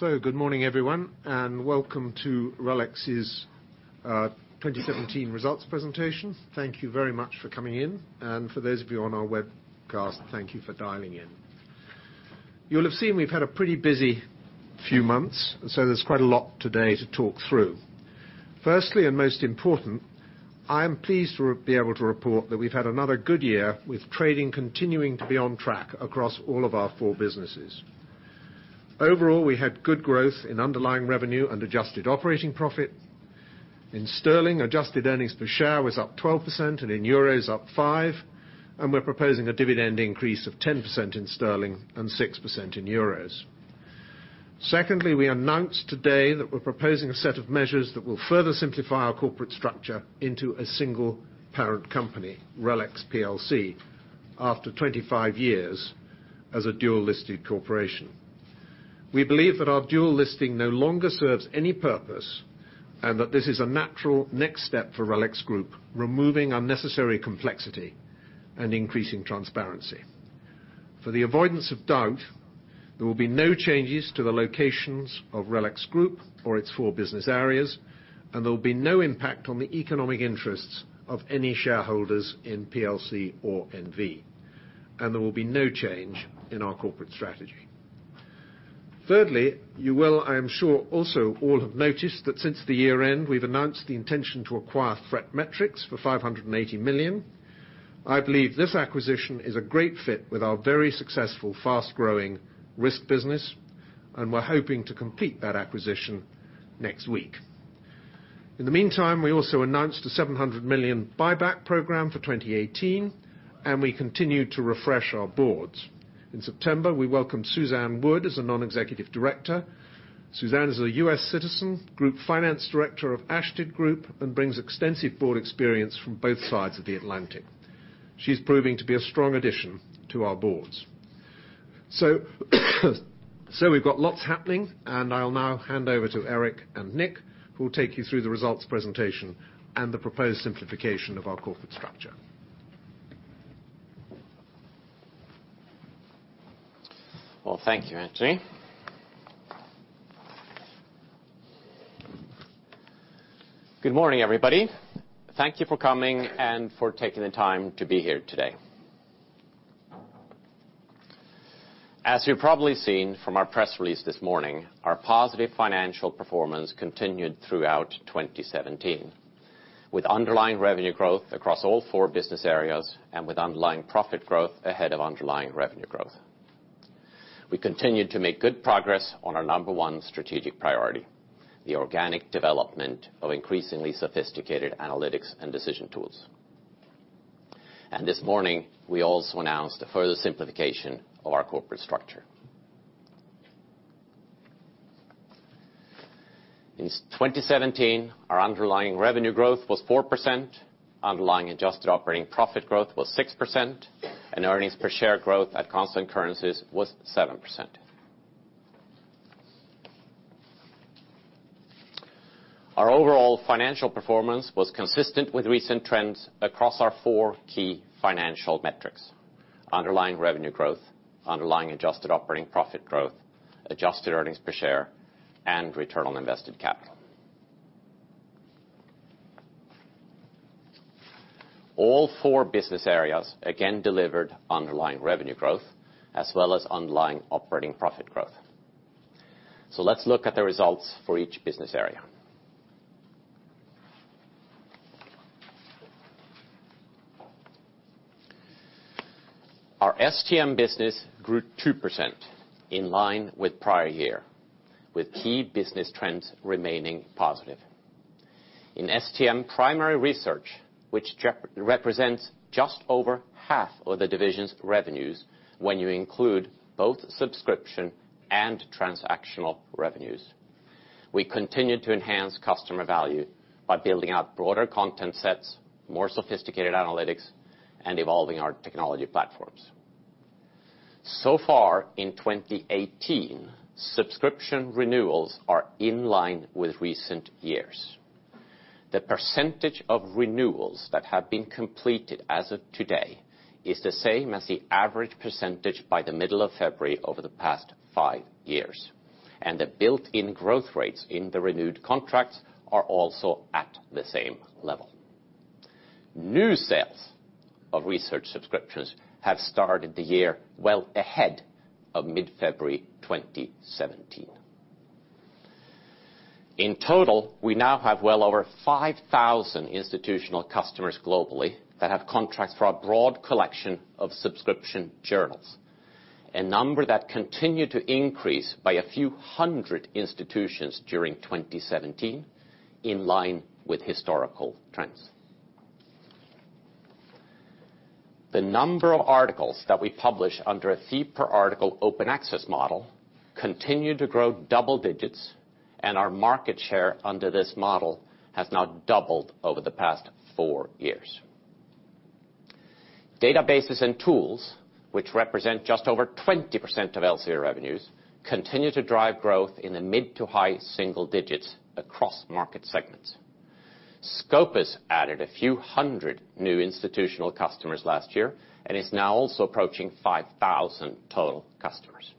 Good morning, everyone, and welcome to RELX's 2017 results presentation. Thank you very much for coming in. For those of you on our webcast, thank you for dialing in. You'll have seen we've had a pretty busy few months, there's quite a lot today to talk through. Firstly, and most important, I am pleased to be able to report that we've had another good year with trading continuing to be on track across all of our four businesses. Overall, we had good growth in underlying revenue and adjusted operating profit. In GBP, adjusted earnings per share was up 12%, and in EUR, up 5%, and we're proposing a dividend increase of 10% in GBP and 6% in EUR. Secondly, we announced today that we're proposing a set of measures that will further simplify our corporate structure into a single parent company, RELX PLC, after 25 years as a dual-listed corporation. We believe that our dual listing no longer serves any purpose, and that this is a natural next step for RELX Group, removing unnecessary complexity and increasing transparency. For the avoidance of doubt, there will be no changes to the locations of RELX Group or its four business areas, and there will be no impact on the economic interests of any shareholders in PLC or NV, and there will be no change in our corporate strategy. Thirdly, you will, I am sure, also all have noticed that since the year end, we've announced the intention to acquire ThreatMetrix for 580 million. I believe this acquisition is a great fit with our very successful, fast-growing risk business, and we're hoping to complete that acquisition next week. In the meantime, we also announced a 700 million buyback program for 2018, and we continue to refresh our boards. In September, we welcomed Suzanne Wood as a non-executive director. Suzanne is a U.S. citizen, group finance director of Ashtead Group, and brings extensive board experience from both sides of the Atlantic. She's proving to be a strong addition to our boards. We've got lots happening, and I'll now hand over to Erik and Nick, who will take you through the results presentation and the proposed simplification of our corporate structure. Thank you, Anthony. Good morning, everybody. Thank you for coming and for taking the time to be here today. As you've probably seen from our press release this morning, our positive financial performance continued throughout 2017, with underlying revenue growth across all four business areas and with underlying profit growth ahead of underlying revenue growth. We continued to make good progress on our number 1 strategic priority, the organic development of increasingly sophisticated analytics and decision tools. This morning, we also announced a further simplification of our corporate structure. In 2017, our underlying revenue growth was 4%, underlying adjusted operating profit growth was 6%, and earnings per share growth at constant currencies was 7%. Our overall financial performance was consistent with recent trends across our 4 key financial metrics: underlying revenue growth, underlying adjusted operating profit growth, adjusted earnings per share, and return on invested capital. All four business areas again delivered underlying revenue growth as well as underlying operating profit growth. Let's look at the results for each business area. Our STM business grew 2%, in line with prior year, with key business trends remaining positive. In STM primary research, which represents just over half of the division's revenues when you include both subscription and transactional revenues, we continued to enhance customer value by building out broader content sets, more sophisticated analytics, and evolving our technology platforms. So far in 2018, subscription renewals are in line with recent years. The percentage of renewals that have been completed as of today is the same as the average percentage by the middle of February over the past five years. The built-in growth rates in the renewed contracts are also at the same level. New sales of research subscriptions have started the year well ahead of mid-February 2017. In total, we now have well over 5,000 institutional customers globally that have contracts for our broad collection of subscription journals, a number that continued to increase by a few hundred institutions during 2017, in line with historical trends. The number of articles that we publish under a fee-per-article open access model continued to grow double digits, and our market share under this model has now doubled over the past four years. Databases and tools, which represent just over 20% of Elsevier revenues, continue to drive growth in the mid to high single digits across market segments. Scopus added a few hundred new institutional customers last year and is now also approaching 5,000 total customers.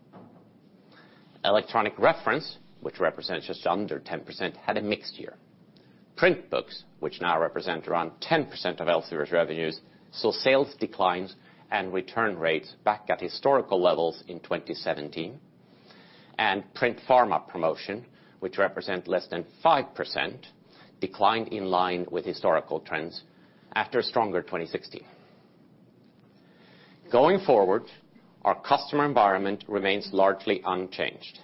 Electronic reference, which represents just under 10%, had a mixed year. Print books, which now represent around 10% of Elsevier's revenues, saw sales declines and return rates back at historical levels in 2017, and print pharma promotion, which represent less than 5%, declined in line with historical trends after a stronger 2016. Going forward, our customer environment remains largely unchanged.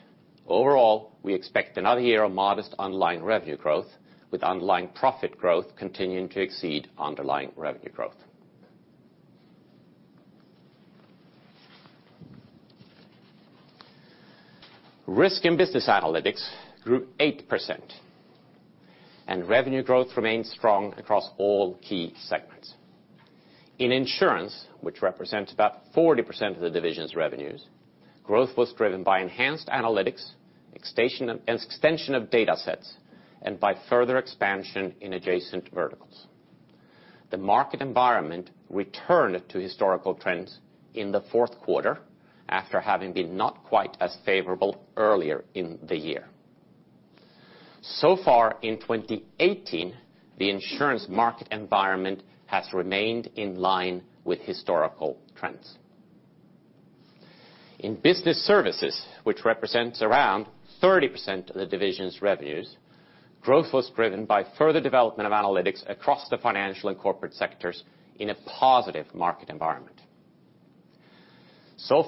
Overall, we expect another year of modest underlying revenue growth, with underlying profit growth continuing to exceed underlying revenue growth. Risk and Business Analytics grew 8%, and revenue growth remains strong across all key segments. In insurance, which represents about 40% of the division's revenues, growth was driven by enhanced analytics, extension of data sets, and by further expansion in adjacent verticals. The market environment returned to historical trends in the fourth quarter after having been not quite as favorable earlier in the year. Far in 2018, the insurance market environment has remained in line with historical trends. In business services, which represents around 30% of the division's revenues, growth was driven by further development of analytics across the financial and corporate sectors in a positive market environment.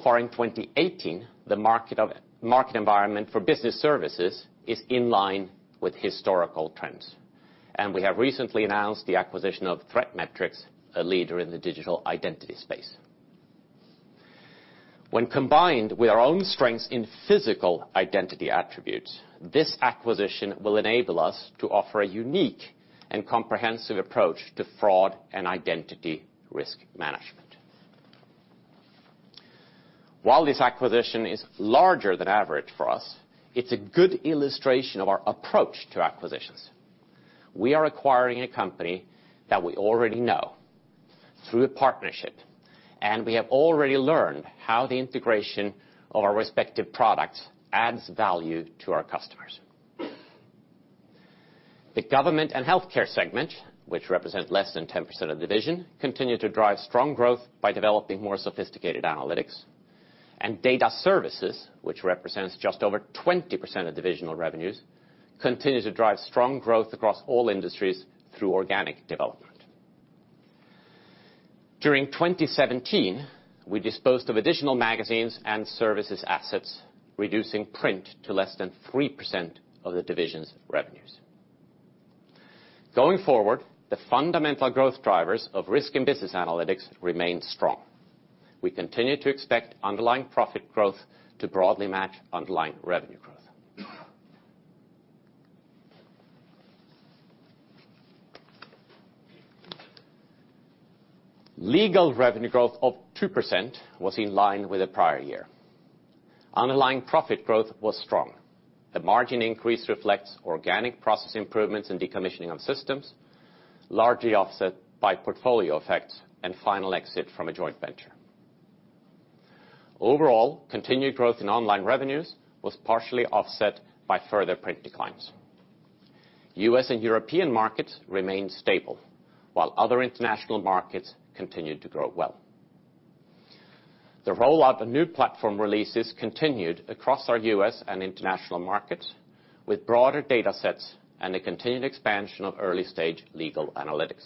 Far in 2018, the market environment for business services is in line with historical trends, and we have recently announced the acquisition of ThreatMetrix, a leader in the digital identity space. When combined with our own strengths in physical identity attributes, this acquisition will enable us to offer a unique and comprehensive approach to fraud and identity risk management. While this acquisition is larger than average for us, it's a good illustration of our approach to acquisitions. We are acquiring a company that we already know through a partnership, and we have already learned how the integration of our respective products adds value to our customers. The government and healthcare segment, which represents less than 10% of the division, continue to drive strong growth by developing more sophisticated analytics, and data services, which represents just over 20% of divisional revenues, continue to drive strong growth across all industries through organic development. During 2017, we disposed of additional magazines and services assets, reducing print to less than 3% of the division's revenues. Going forward, the fundamental growth drivers of risk and business analytics remain strong. We continue to expect underlying profit growth to broadly match underlying revenue growth. Legal revenue growth of 2% was in line with the prior year. Underlying profit growth was strong. The margin increase reflects organic process improvements and decommissioning of systems, largely offset by portfolio effects and final exit from a joint venture. Overall, continued growth in online revenues was partially offset by further print declines. U.S. and European markets remained stable, while other international markets continued to grow well. The rollout of new platform releases continued across our U.S. and international markets, with broader data sets and a continued expansion of early-stage legal analytics.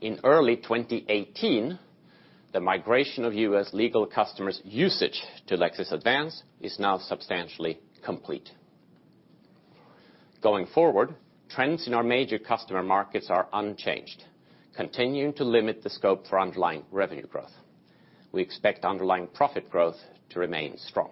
In early 2018, the migration of U.S. legal customers' usage to Lexis Advance is now substantially complete. Going forward, trends in our major customer markets are unchanged, continuing to limit the scope for underlying revenue growth. We expect underlying profit growth to remain strong.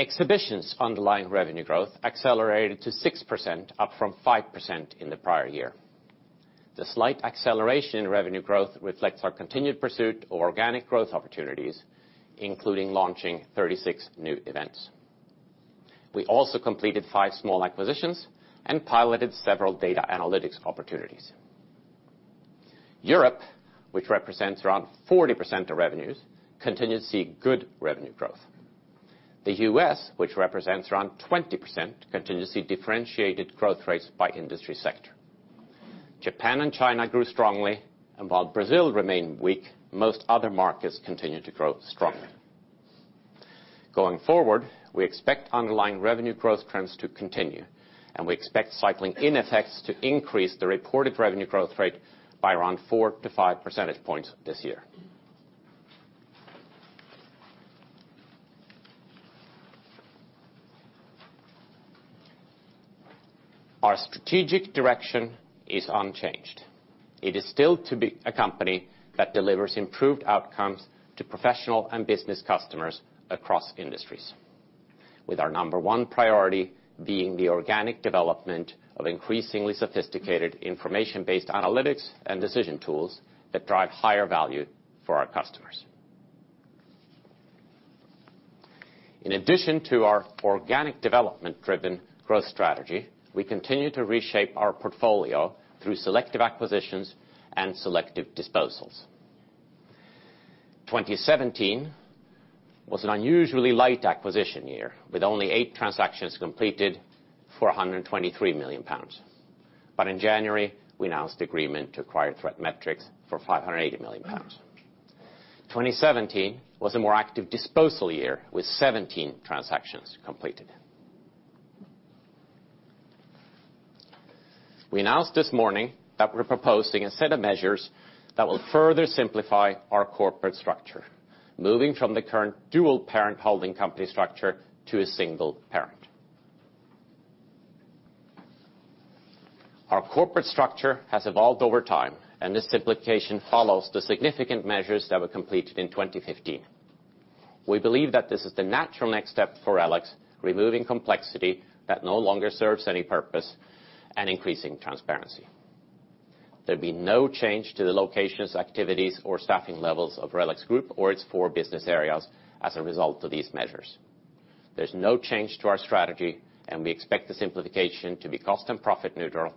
Exhibitions' underlying revenue growth accelerated to 6%, up from 5% in the prior year. The slight acceleration in revenue growth reflects our continued pursuit of organic growth opportunities, including launching 36 new events. We also completed five small acquisitions and piloted several data analytics opportunities. Europe, which represents around 40% of revenues, continue to see good revenue growth. The U.S., which represents around 20%, continue to see differentiated growth rates by industry sector. Japan and China grew strongly, and while Brazil remained weak, most other markets continued to grow strongly. Going forward, we expect underlying revenue growth trends to continue, and we expect cycling in effects to increase the reported revenue growth rate by around four to five percentage points this year. Our strategic direction is unchanged. It is still to be a company that delivers improved outcomes to professional and business customers across industries. With our number one priority being the organic development of increasingly sophisticated information-based analytics and decision tools that drive higher value for our customers. In addition to our organic development-driven growth strategy, we continue to reshape our portfolio through selective acquisitions and selective disposals. 2017 was an unusually light acquisition year, with only eight transactions completed for 123 million pounds. In January, we announced agreement to acquire ThreatMetrix for 580 million pounds. 2017 was a more active disposal year, with 17 transactions completed. We announced this morning that we're proposing a set of measures that will further simplify our corporate structure, moving from the current dual parent holding company structure to a single parent. Our corporate structure has evolved over time, and this simplification follows the significant measures that were completed in 2015. We believe that this is the natural next step for RELX, removing complexity that no longer serves any purpose and increasing transparency. There'll be no change to the locations, activities, or staffing levels of RELX Group or its four business areas as a result of these measures. There's no change to our strategy, and we expect the simplification to be cost and profit neutral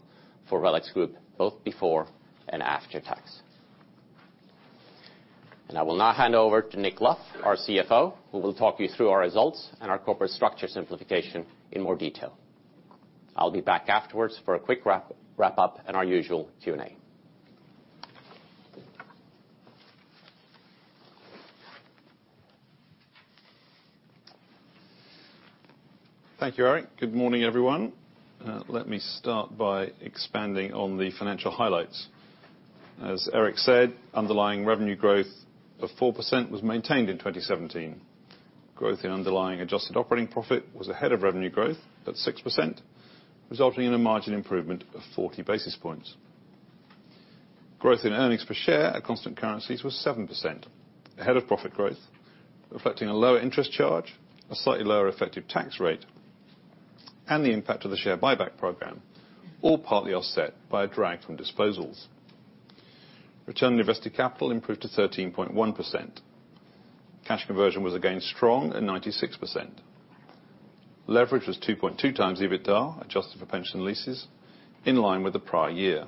for RELX Group, both before and after tax. I will now hand over to Nick Luff, our CFO, who will talk you through our results and our corporate structure simplification in more detail. I will be back afterwards for a quick wrap-up and our usual Q&A. Thank you, Erik. Good morning, everyone. Let me start by expanding on the financial highlights. As Erik said, underlying revenue growth of 4% was maintained in 2017. Growth in underlying adjusted operating profit was ahead of revenue growth at 6%, resulting in a margin improvement of 40 basis points. Growth in earnings per share at constant currencies was 7%, ahead of profit growth, reflecting a lower interest charge, a slightly lower effective tax rate, and the impact of the share buyback program, all partly offset by a drag from disposals. Return on invested capital improved to 13.1%. Cash conversion was again strong at 96%. Leverage was 2.2 times EBITDA, adjusted for pension leases, in line with the prior year.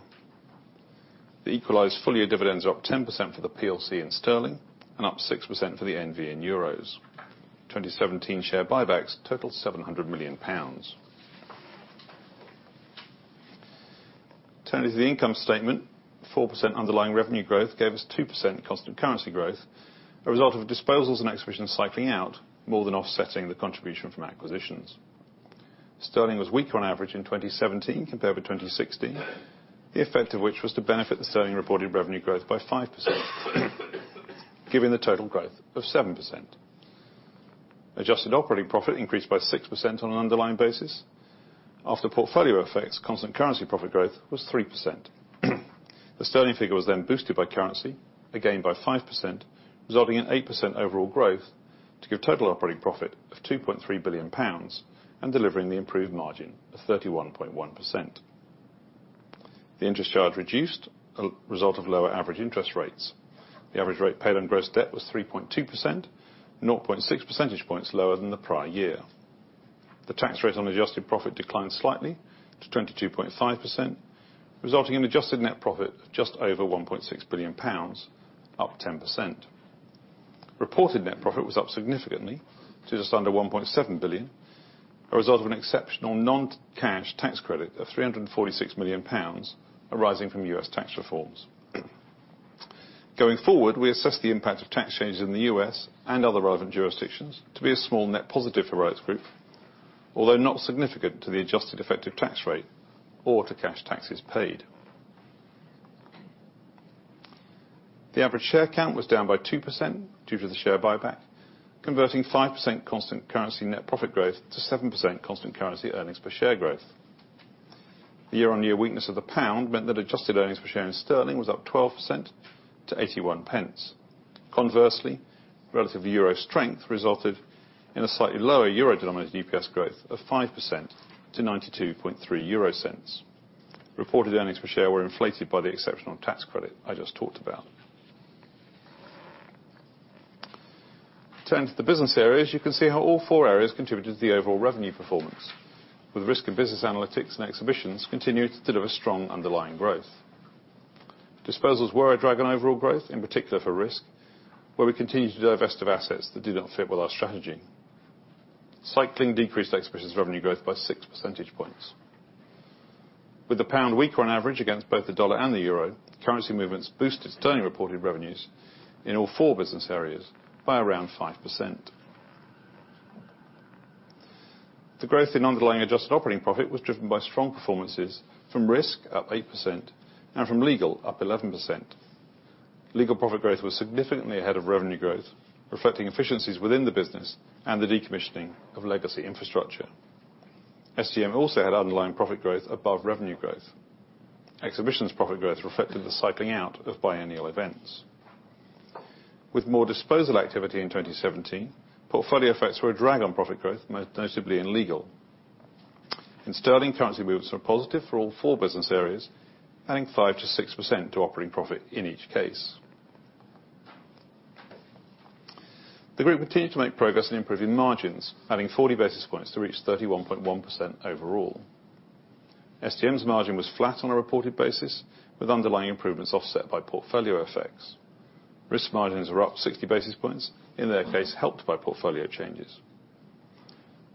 The equalized full-year dividends up 10% for the PLC in GBP and up 6% for the NV in EUR. 2017 share buybacks totaled 700 million pounds. Turning to the income statement, 4% underlying revenue growth gave us 2% constant currency growth, a result of disposals and acquisitions cycling out more than offsetting the contribution from acquisitions. GBP was weaker on average in 2017 compared with 2016. The effect of which was to benefit the GBP reported revenue growth by 5%, giving the total growth of 7%. Adjusted operating profit increased by 6% on an underlying basis. After portfolio effects, constant currency profit growth was 3%. The GBP figure was then boosted by currency, again by 5%, resulting in 8% overall growth to give total operating profit of 2.3 billion pounds and delivering the improved margin of 31.1%. The interest charge reduced, a result of lower average interest rates. The average rate paid on gross debt was 3.2%, 0.6 percentage points lower than the prior year. The tax rate on adjusted profit declined slightly to 22.5%, resulting in adjusted net profit of just over 1.6 billion pounds, up 10%. Reported net profit was up significantly to just under 1.7 billion, a result of an exceptional non-cash tax credit of 346 million pounds arising from U.S. tax reforms. Going forward, we assess the impact of tax changes in the U.S. and other relevant jurisdictions to be a small net positive for RELX Group, although not significant to the adjusted effective tax rate or to cash taxes paid. The average share count was down by 2% due to the share buyback, converting 5% constant currency net profit growth to 7% constant currency earnings per share growth. The year-on-year weakness of the GBP meant that adjusted earnings per share in GBP was up 12% to 0.81. Conversely, relative euro strength resulted in a slightly lower euro-denominated EPS growth of 5% to 0.923. Reported earnings per share were inflated by the exceptional tax credit I just talked about. Turning to the business areas, you can see how all four areas contributed to the overall revenue performance, with Risk and Business Analytics and Exhibitions continued to deliver strong underlying growth. Disposals were a drag on overall growth, in particular for Risk, where we continue to divest of assets that do not fit with our strategy. Cycling decreased Exhibitions revenue growth by six percentage points. With the pound weaker on average against both the U.S. dollar and the euro, currency movements boosted GBP reported revenues in all four business areas by around 5%. The growth in underlying adjusted operating profit was driven by strong performances from Risk, up 8%, and from Legal, up 11%. Legal profit growth was significantly ahead of revenue growth, reflecting efficiencies within the business and the decommissioning of legacy infrastructure. STM also had underlying profit growth above revenue growth. Exhibitions profit growth reflected the cycling out of biennial events. With more disposal activity in 2017, portfolio effects were a drag on profit growth, most notably in Legal. In GBP, currency movements were positive for all four business areas, adding 5%-6% to operating profit in each case. The group continued to make progress in improving margins, adding 40 basis points to reach 31.1% overall. STM's margin was flat on a reported basis, with underlying improvements offset by portfolio effects. Risk margins were up 60 basis points, in their case, helped by portfolio changes.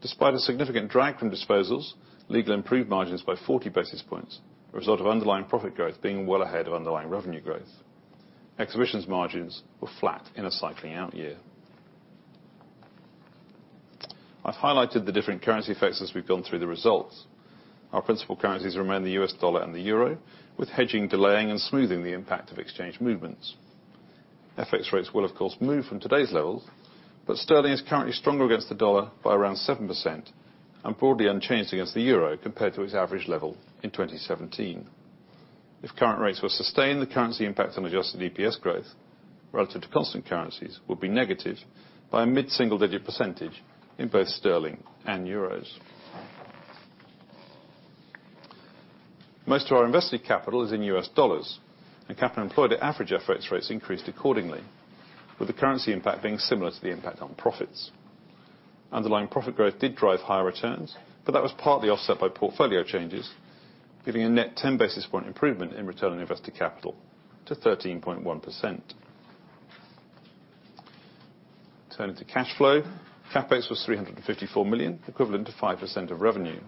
Despite a significant drag from disposals, Legal improved margins by 40 basis points, a result of underlying profit growth being well ahead of underlying revenue growth. Exhibitions margins were flat in a cycling out year. I've highlighted the different currency effects as we've gone through the results. Our principal currencies remain the U.S. dollar and the euro, with hedging delaying and smoothing the impact of exchange movements. FX rates will of course move from today's levels, but GBP is currently stronger against the U.S. dollar by around 7% and broadly unchanged against the euro compared to its average level in 2017. If current rates were sustained, the currency impact on adjusted EPS growth relative to constant currencies would be negative by a mid-single-digit percentage in both GBP and euros. Most of our invested capital is in U.S. dollars and capital employed at average FX rates increased accordingly, with the currency impact being similar to the impact on profits. Underlying profit growth did drive higher returns, but that was partly offset by portfolio changes, giving a net 10 basis point improvement in return on invested capital to 13.1%. Turning to cash flow. CapEx was 354 million, equivalent to 5% of revenue.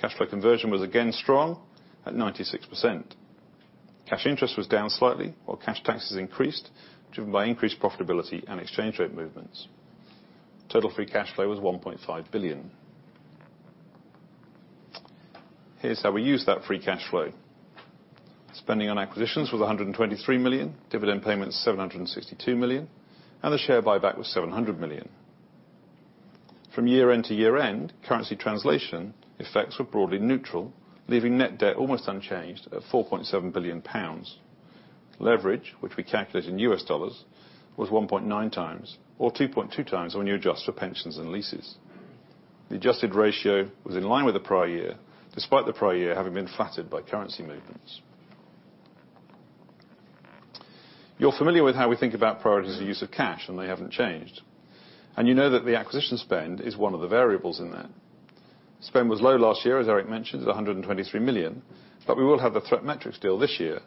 Cash flow conversion was again strong at 96%. Cash interest was down slightly, while cash taxes increased, driven by increased profitability and exchange rate movements. Total free cash flow was 1.5 billion. Here's how we used that free cash flow. Spending on acquisitions was 123 million, dividend payments 762 million, and the share buyback was 700 million. From year-end to year-end, currency translation effects were broadly neutral, leaving net debt almost unchanged at 4.7 billion pounds. Leverage, which we calculate in U.S. dollars, was 1.9 times or 2.2 times when you adjust for pensions and leases. The adjusted ratio was in line with the prior year, despite the prior year having been flattered by currency movements. You're familiar with how we think about priorities and use of cash, they haven't changed. You know that the acquisition spend is one of the variables in there. Spend was low last year, as Erik mentioned, at 123 million, but we will have the ThreatMetrix deal this year,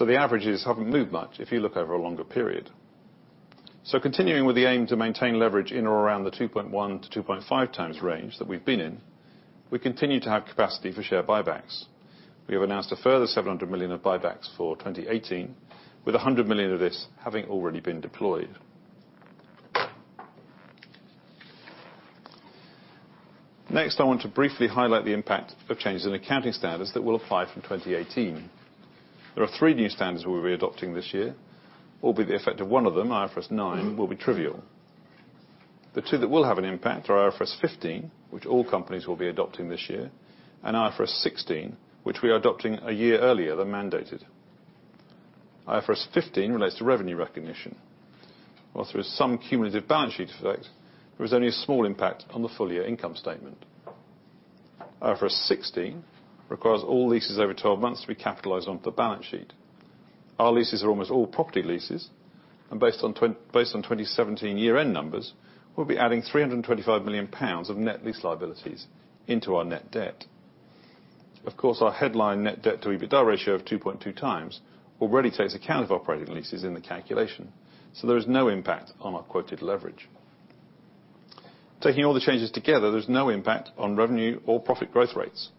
the averages haven't moved much if you look over a longer period. Continuing with the aim to maintain leverage in or around the 2.1-2.5 times range that we've been in, we continue to have capacity for share buybacks. We have announced a further 700 million of buybacks for 2018, with 100 million of this having already been deployed. Next, I want to briefly highlight the impact of changes in accounting standards that will apply from 2018. There are three new standards we'll be adopting this year, albeit the effect of one of them, IFRS 9, will be trivial. The two that will have an impact are IFRS 15, which all companies will be adopting this year, and IFRS 16, which we are adopting a year earlier than mandated. IFRS 15 relates to revenue recognition. While there is some cumulative balance sheet effect, there is only a small impact on the full-year income statement. IFRS 16 requires all leases over 12 months to be capitalized onto the balance sheet. Our leases are almost all property leases, and based on 2017 year-end numbers, we'll be adding 325 million pounds of net lease liabilities into our net debt. Of course, our headline net debt to EBITDA ratio of 2.2 times already takes account of operating leases in the calculation, there is no impact on our quoted leverage. Taking all the changes together, there's no impact on revenue or profit growth rates.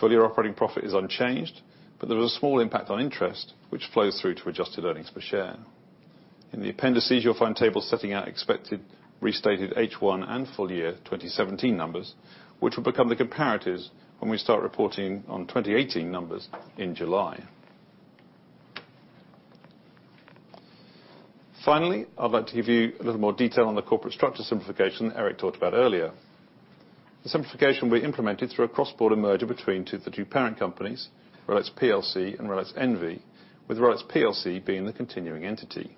Full-year operating profit is unchanged, but there is a small impact on interest, which flows through to adjusted earnings per share. In the appendices, you'll find tables setting out expected restated H1 and full-year 2017 numbers, which will become the comparatives when we start reporting on 2018 numbers in July. Finally, I'd like to give you a little more detail on the corporate structure simplification that Erik talked about earlier. The simplification will be implemented through a cross-border merger between the two parent companies, RELX PLC and RELX NV, with RELX PLC being the continuing entity.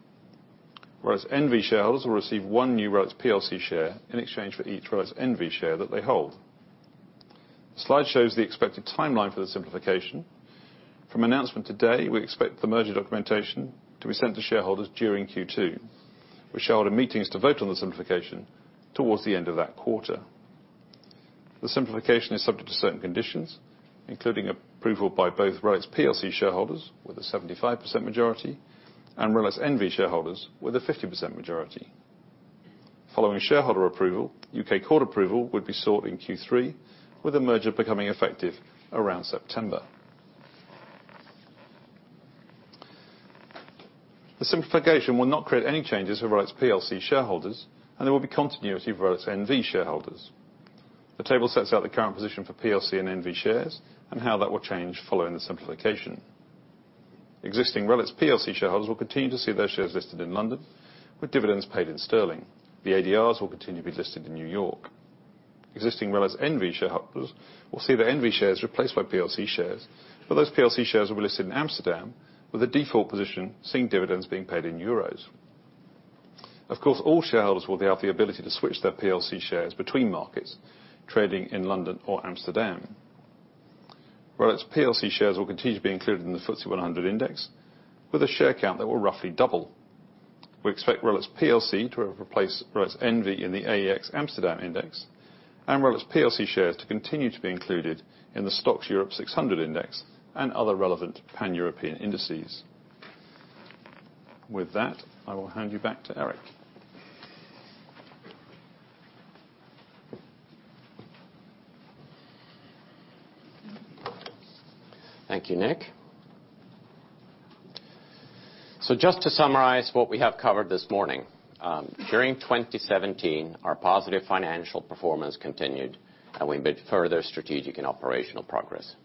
RELX NV shareholders will receive one new RELX PLC share in exchange for each RELX NV share that they hold. The slide shows the expected timeline for the simplification. From announcement today, we expect the merger documentation to be sent to shareholders during Q2, with shareholder meetings to vote on the simplification towards the end of that quarter. The simplification is subject to certain conditions, including approval by both RELX PLC shareholders with a 75% majority and RELX NV shareholders with a 50% majority. Following shareholder approval, U.K. court approval would be sought in Q3, with the merger becoming effective around September. The simplification will not create any changes for RELX PLC shareholders, and there will be continuity for RELX NV shareholders. The table sets out the current position for PLC and NV shares and how that will change following the simplification. Existing RELX PLC shareholders will continue to see their shares listed in London, with dividends paid in GBP. The ADRs will continue to be listed in New York. Existing RELX NV shareholders will see their NV shares replaced by PLC shares, those PLC shares will be listed in Amsterdam with a default position seeing dividends being paid in euros. Of course, all shareholders will have the ability to switch their PLC shares between markets trading in London or Amsterdam. RELX PLC shares will continue to be included in the FTSE 100 Index, with a share count that will roughly double. We expect RELX PLC to replace RELX NV in the AEX Amsterdam index, and RELX PLC shares to continue to be included in the STOXX Europe 600 index and other relevant Pan-European indices. With that, I will hand you back to Erik. Thank you, Nick. Just to summarize what we have covered this morning. During 2017, our positive financial performance continued, we made further strategic and operational progress.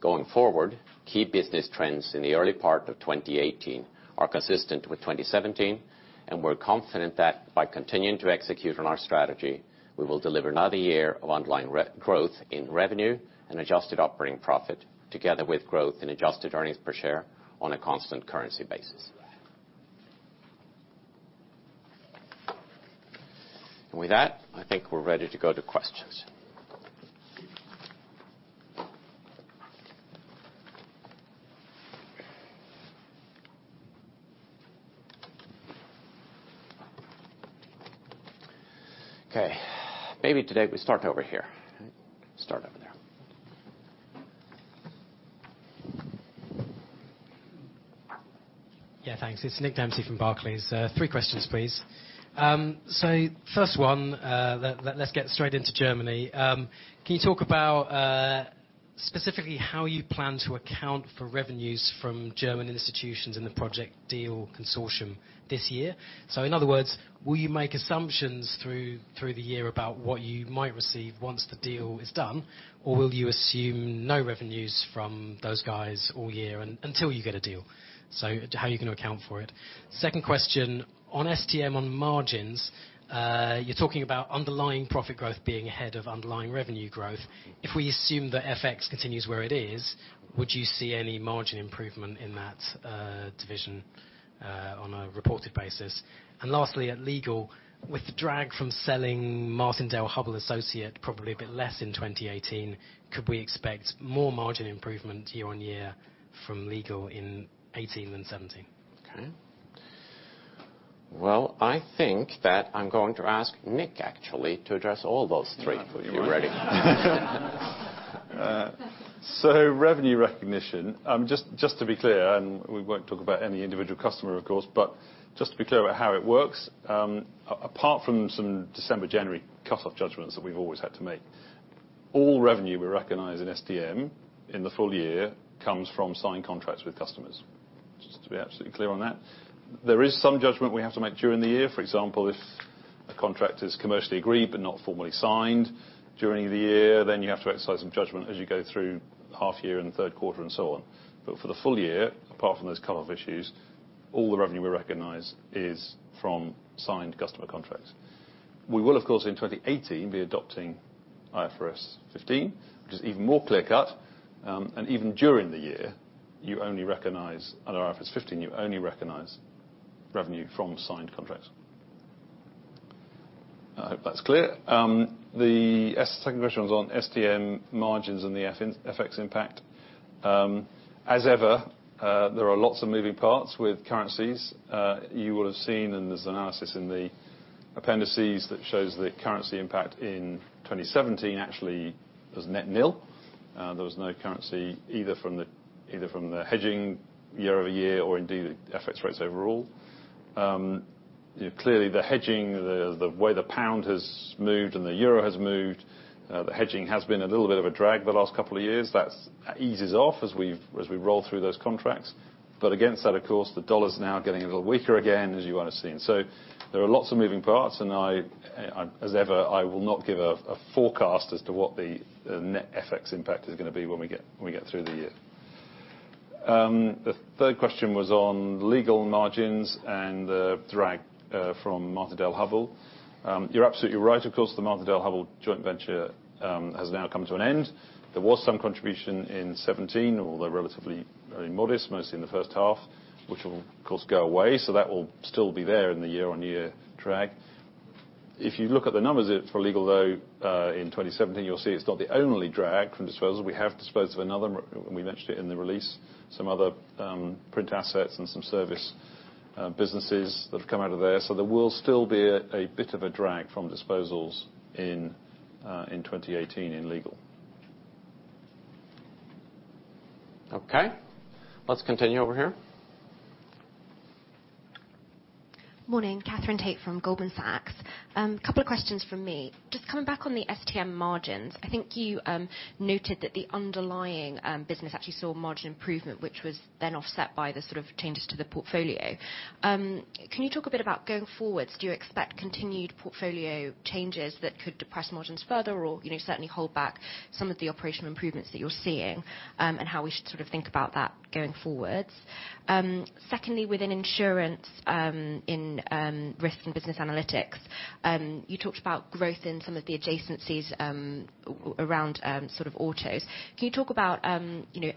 Going forward, key business trends in the early part of 2018 are consistent with 2017, we're confident that by continuing to execute on our strategy, we will deliver another year of underlying growth in revenue and adjusted operating profit, together with growth in adjusted earnings per share on a constant currency basis. With that, I think we're ready to go to questions. Okay. Maybe today we start over here. Start over there. Thanks. It's Nick Dempsey from Barclays. Three questions, please. First one, let's get straight into Germany. Can you talk about specifically how you plan to account for revenues from German institutions in the DEAL Consortium this year? In other words, will you make assumptions through the year about what you might receive once the deal is done, or will you assume no revenues from those guys all year until you get a deal? How are you going to account for it? Second question, on STM, on margins, you're talking about underlying profit growth being ahead of underlying revenue growth. If we assume that FX continues where it is, would you see any margin improvement in that division on a reported basis? Lastly, at Legal, with the drag from selling Martindale-Hubbell associate probably a bit less in 2018, could we expect more margin improvement year-on-year from Legal in 2018 than 2017? Okay. Well, I think that I'm going to ask Nick actually to address all those three. You're ready. Revenue recognition. Just to be clear, and we won't talk about any individual customer, of course, but just to be clear about how it works. Apart from some December, January cutoff judgments that we've always had to make, all revenue we recognize in STM in the full year comes from signed contracts with customers. Just to be absolutely clear on that. There is some judgment we have to make during the year. For example, if a contract is commercially agreed but not formally signed during the year, then you have to exercise some judgment as you go through half year and the third quarter and so on. For the full year, apart from those cutoff issues, all the revenue we recognize is from signed customer contracts. We will, of course, in 2018, be adopting IFRS 15, which is even more clear-cut. Even during the year, under IFRS 15, you only recognize revenue from signed contracts. I hope that's clear. The second question was on STM margins and the FX impact. As ever, there are lots of moving parts with currencies. You will have seen, and there's analysis in the appendices that shows the currency impact in 2017 actually was net nil. There was no currency either from the hedging year-over-year or indeed the FX rates overall. Clearly, the hedging, the way the pound has moved and the euro has moved, the hedging has been a little bit of a drag the last couple of years. That eases off as we roll through those contracts. Against that, of course, the dollar's now getting a little weaker again, as you would have seen. There are lots of moving parts, and as ever, I will not give a forecast as to what the net FX impact is going to be when we get through the year. The third question was on Legal margins and the drag from Martindale-Hubbell. You're absolutely right. Of course, the Martindale-Hubbell joint venture has now come to an end. There was some contribution in 2017, although relatively very modest, mostly in the first half, which will, of course, go away. That will still be there in the year-on-year drag. If you look at the numbers for Legal, though, in 2017, you'll see it's not the only drag from disposals. We have disposed of another, and we mentioned it in the release, some other print assets and some service businesses that have come out of there. There will still be a bit of a drag from disposals in 2018 in Legal. Okay. Let's continue over here. Morning. Katherine Tait from Goldman Sachs. Couple of questions from me. Just coming back on the STM margins, I think you noted that the underlying business actually saw margin improvement, which was then offset by the changes to the portfolio. Can you talk a bit about going forwards, do you expect continued portfolio changes that could depress margins further or certainly hold back some of the operational improvements that you're seeing, and how we should think about that going forwards? Secondly, within insurance, in Risk and Business Analytics, you talked about growth in some of the adjacencies around autos. Can you talk about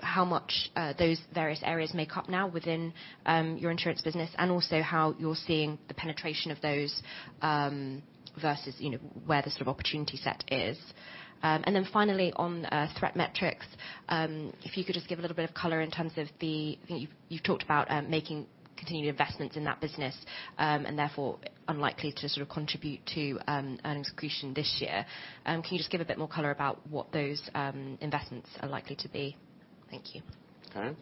how much those various areas make up now within your insurance business, and also how you're seeing the penetration of those, versus where the opportunity set is? Finally, on ThreatMetrix, if you could just give a little bit of color in terms of You've talked about making continued investments in that business, and therefore unlikely to contribute to earnings accretion this year. Can you just give a bit more color about what those investments are likely to be? Thank you. Katherine.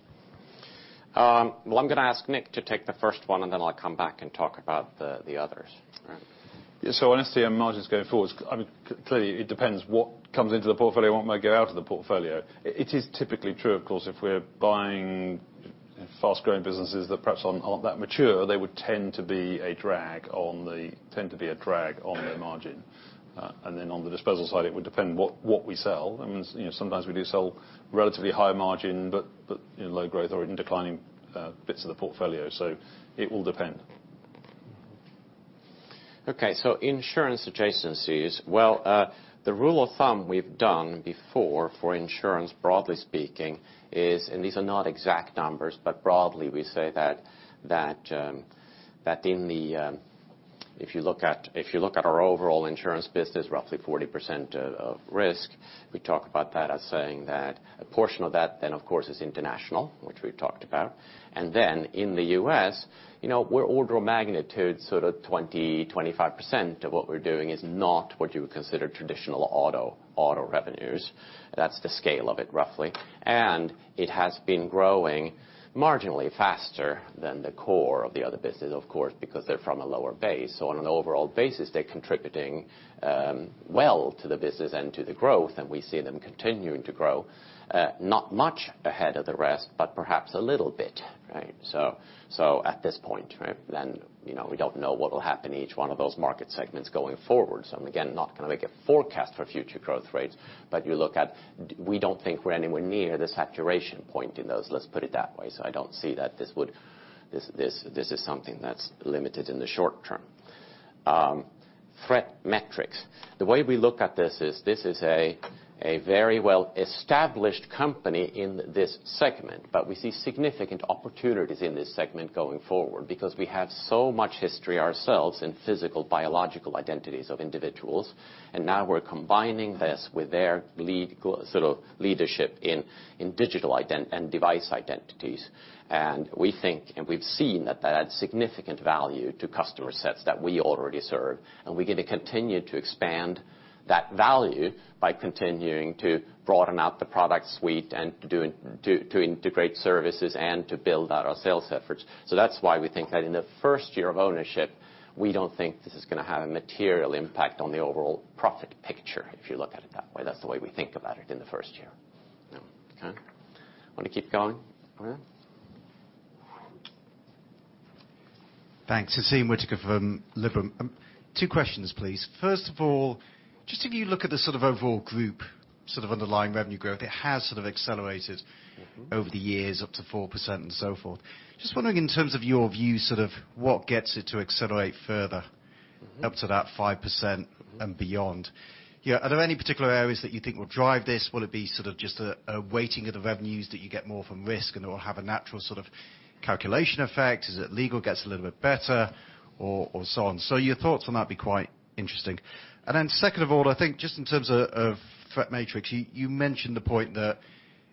I'm going to ask Nick to take the first one, and then I'll come back and talk about the others. All right? On STM margins going forwards, clearly it depends what comes into the portfolio and what might go out of the portfolio. It is typically true, of course, if we're buying fast-growing businesses that perhaps aren't that mature, they would tend to be a drag on the margin. On the disposal side, it would depend what we sell. Sometimes we do sell relatively high margin but low growth or even declining bits of the portfolio. It will depend. Insurance adjacencies. The rule of thumb we've done before for insurance, broadly speaking is, and these are not exact numbers, but broadly we say that if you look at our overall insurance business, roughly 40% of risk, we talk about that as saying that a portion of that then, of course, is international, which we've talked about. In the U.S., we're order of magnitude, sort of 20%-25% of what we're doing is not what you would consider traditional auto revenues. That's the scale of it, roughly. It has been growing marginally faster than the core of the other business, of course, because they're from a lower base. On an overall basis, they're contributing well to the business and to the growth, and we see them continuing to grow. Not much ahead of the rest, but perhaps a little bit. At this point, we don't know what will happen in each one of those market segments going forward. Again, not going to make a forecast for future growth rates, but we don't think we're anywhere near the saturation point in those, let's put it that way. I don't see that this is something that's limited in the short term. ThreatMetrix. The way we look at this is, this is a very well established company in this segment, but we see significant opportunities in this segment going forward because we have so much history ourselves in physical, biographical identities of individuals. Now we're combining this with their leadership in digital identity and device identities. We think, and we've seen that adds significant value to customer sets that we already serve. We're going to continue to expand that value by continuing to broaden out the product suite and to integrate services and to build out our sales efforts. That's why we think that in the first year of ownership, we don't think this is going to have a material impact on the overall profit picture, if you look at it that way. That's the way we think about it in the first year. Okay. Want to keep going? All right. Thanks. Naseem Whittaker from Liberum. Two questions, please. First of all, just if you look at the sort of overall group, sort of underlying revenue growth, it has sort of accelerated over the years up to 4% and so forth. Just wondering in terms of your view, what gets it to accelerate further up to that 5% and beyond? Are there any particular areas that you think will drive this? Will it be sort of just a weighting of the revenues that you get more from risk and it will have a natural sort of calculation effect as the legal gets a little bit better or so on? Your thoughts on that'd be quite interesting. Then second of all, I think just in terms of ThreatMetrix, you mentioned the point that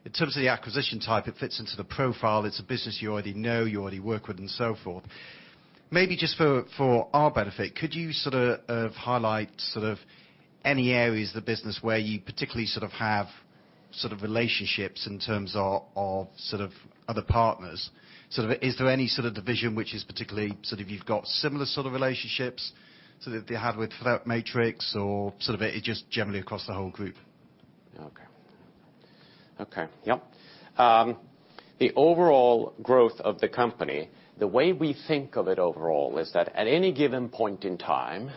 in terms of the acquisition type, it fits into the profile. It's a business you already know, you already work with and so forth. Maybe just for our benefit, could you highlight any areas of the business where you particularly have relationships in terms of other partners? Is there any sort of division which is particularly, you've got similar sort of relationships that you have with ThreatMetrix or is it just generally across the whole group? Okay. Yep. The overall growth of the company, the way we think of it overall is that at any given point in time,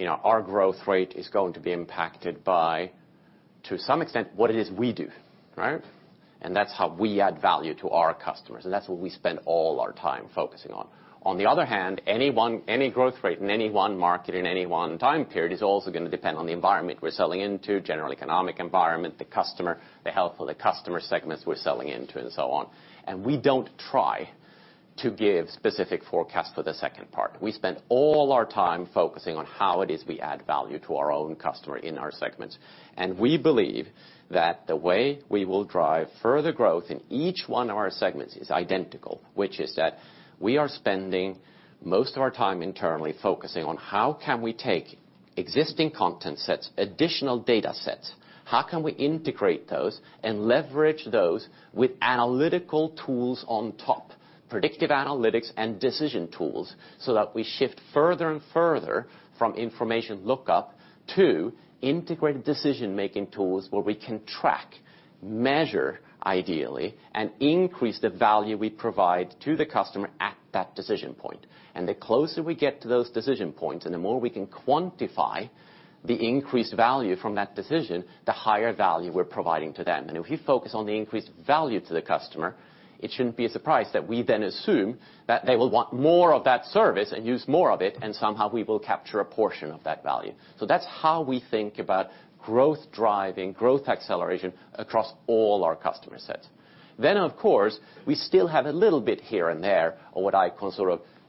our growth rate is going to be impacted by, to some extent, what it is we do. Right? That's how we add value to our customers, and that's what we spend all our time focusing on. On the other hand, any growth rate in any one market in any one time period is also going to depend on the environment we're selling into, general economic environment, the customer, the health of the customer segments we're selling into, and so on. We don't try to give specific forecasts for the second part. We spend all our time focusing on how it is we add value to our own customer in our segments. We believe that the way we will drive further growth in each one of our segments is identical, which is that we are spending most of our time internally focusing on how can we take existing content sets, additional data sets. How can we integrate those and leverage those with analytical tools on top, predictive analytics and decision tools, so that we shift further and further from information lookup to integrated decision-making tools where we can track, measure ideally, and increase the value we provide to the customer at that decision point. The closer we get to those decision points and the more we can quantify the increased value from that decision, the higher value we're providing to them. If we focus on the increased value to the customer, it shouldn't be a surprise that we then assume that they will want more of that service and use more of it, and somehow we will capture a portion of that value. That's how we think about growth-driving, growth acceleration across all our customer sets. Of course, we still have a little bit here and there of what I call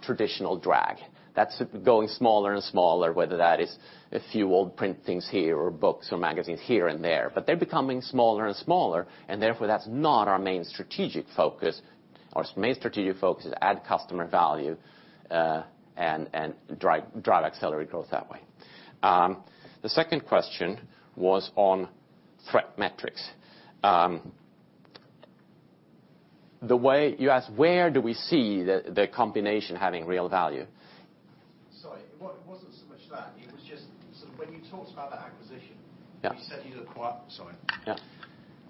traditional drag. That's going smaller and smaller, whether that is a few old print things here or books or magazines here and there. They're becoming smaller and smaller, and therefore, that's not our main strategic focus. Our main strategic focus is add customer value, and drive accelerated growth that way. The second question was on ThreatMetrix. You asked where do we see the combination having real value? Sorry. It wasn't so much that. It was just sort of when you talked about that acquisition. Yeah You said you'd acquired. Sorry. Yeah.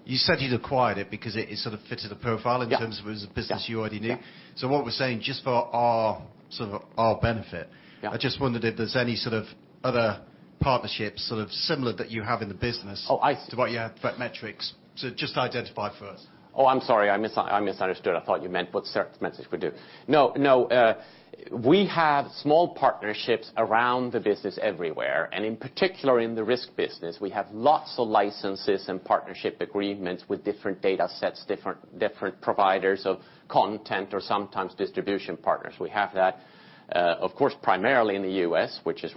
You said you'd acquired it because it sort of fitted the profile. Yeah in terms of it was a business you already knew. Yeah. What we're saying, just for our benefit. Yeah I just wondered if there's any sort of other partnerships sort of similar that you have in the business. Oh, I see to what you have ThreatMetrix to just identify for us. Oh, I'm sorry. I misunderstood. I thought you meant what service methods we do. We have small partnerships around the business everywhere, and in particular in the risk business. We have lots of licenses and partnership agreements with different data sets, different providers of content or sometimes distribution partners. We have that, of course, primarily in the U.S., which is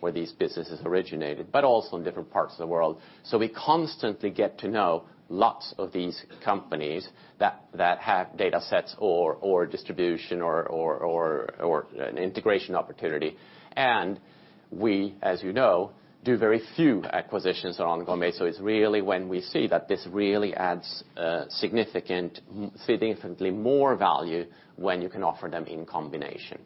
where these businesses originated, but also in different parts of the world. We constantly get to know lots of these companies that have data sets or distribution or an integration opportunity. We, as you know, do very few acquisitions ongoing. It's really when we see that this really adds significantly more value when you can offer them in combination.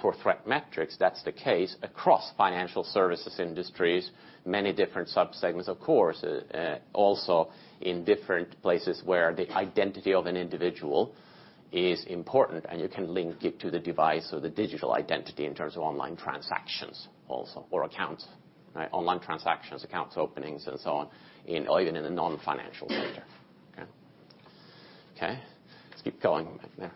For ThreatMetrix, that's the case across financial services industries, many different subsegments, of course, also in different places where the identity of an individual is important, and you can link it to the device or the digital identity in terms of online transactions also, or accounts. Online transactions, accounts openings, and so on, or even in the non-financial sector. Okay. Let's keep going there.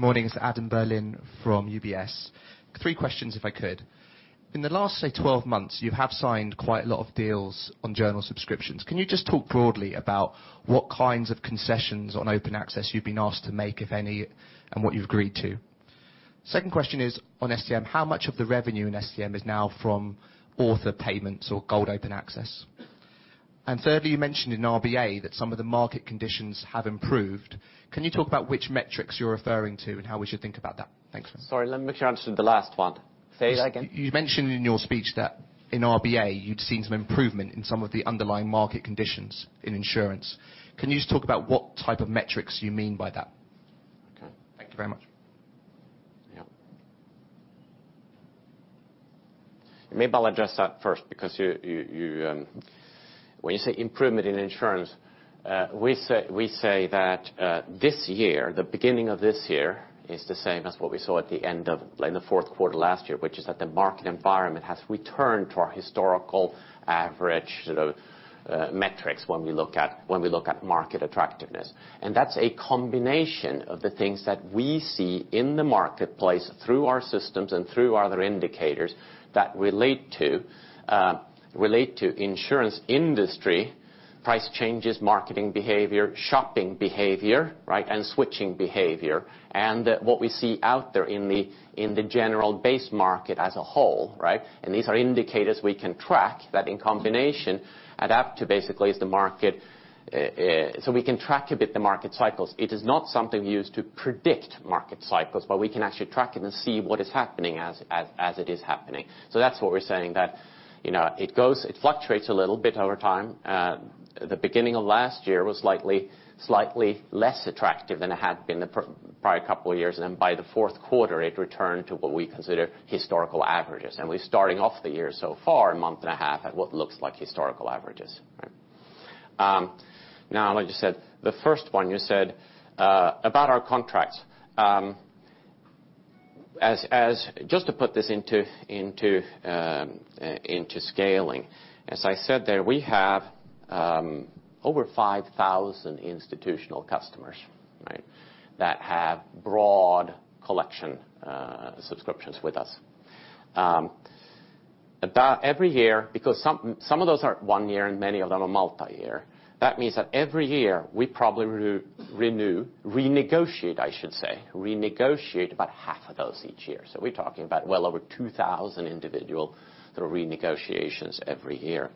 Good morning. It's Adam Berlin from UBS. Three questions if I could. In the last, say, 12 months, you have signed quite a lot of deals on journal subscriptions. Can you just talk broadly about what kinds of concessions on open access you've been asked to make, if any, and what you've agreed to? Second question is on STM. How much of the revenue in STM is now from author payments or gold open access? Thirdly, you mentioned in RBA that some of the market conditions have improved. Can you talk about which metrics you're referring to and how we should think about that? Thanks. Sorry, let me make sure I understood the last one. Say that again. You mentioned in your speech that in RBA, you'd seen some improvement in some of the underlying market conditions in insurance. Can you just talk about what type of metrics you mean by that? Okay. Thank you very much. Yeah. Maybe I'll address that first because when you say improvement in insurance, we say that this year, the beginning of this year, is the same as what we saw at the end of the fourth quarter last year, which is that the market environment has returned to our historical average sort of metrics when we look at market attractiveness. That's a combination of the things that we see in the marketplace through our systems and through other indicators that relate to insurance industry, price changes, marketing behavior, shopping behavior, and switching behavior, and what we see out there in the general base market as a whole. These are indicators we can track that in combination adapt to basically is the market. We can track a bit the market cycles. It is not something used to predict market cycles, but we can actually track it and see what is happening as it is happening. That's what we're saying, that it fluctuates a little bit over time. The beginning of last year was slightly less attractive than it had been the prior couple of years. Then by the fourth quarter, it returned to what we consider historical averages. We're starting off the year so far, a month and a half, at what looks like historical averages. Now, like you said, the first one you said, about our contracts. Just to put this into scaling, as I said there, we have over 5,000 institutional customers that have broad collection subscriptions with us. Because some of those are one year and many of them are multi-year, that means that every year we probably renew, renegotiate, I should say, about half of those each year. We're talking about well over 2,000 individual sort of renegotiations every year.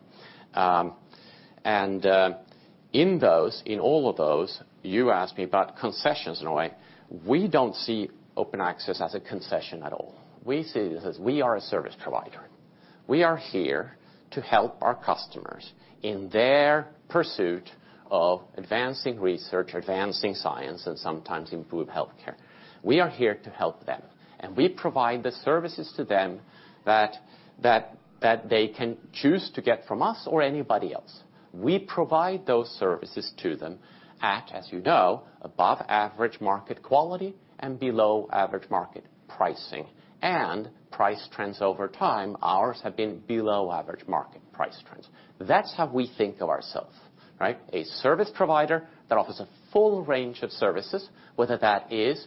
In all of those, you asked me about concessions, in a way. We don't see open access as a concession at all. We see it as we are a service provider. We are here to help our customers in their pursuit of advancing research, advancing science, and sometimes improve healthcare. We are here to help them, and we provide the services to them that they can choose to get from us or anybody else. We provide those services to them at, as you know, above average market quality and below average market pricing. Price trends over time, ours have been below average market price trends. That's how we think of ourself, right? A service provider that offers a full range of services, whether that is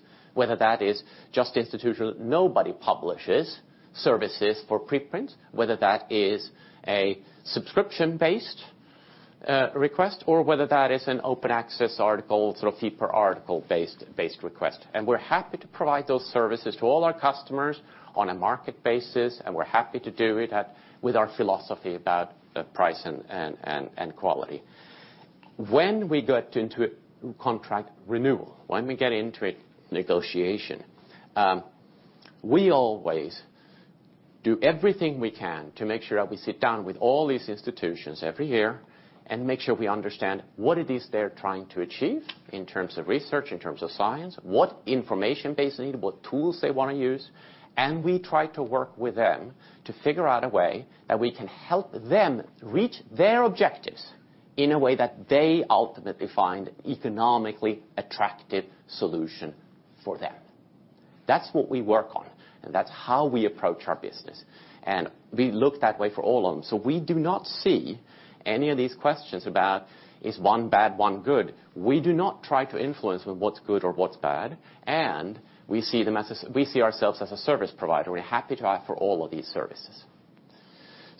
just institutional, nobody publishes services for preprint, whether that is a subscription-based request or whether that is an open access article, sort of fee per article based request. We're happy to provide those services to all our customers on a market basis, and we're happy to do it at with our philosophy about price and quality. When we get into a contract renewal, when we get into a negotiation, we always do everything we can to make sure that we sit down with all these institutions every year and make sure we understand what it is they're trying to achieve in terms of research, in terms of science, what information they need, what tools they want to use, and we try to work with them to figure out a way that we can help them reach their objectives in a way that they ultimately find economically attractive solution for them. That's what we work on, and that's how we approach our business. We look that way for all of them. We do not see any of these questions about, is one bad, one good? We do not try to influence what's good or what's bad, we see ourselves as a service provider. We're happy to offer all of these services.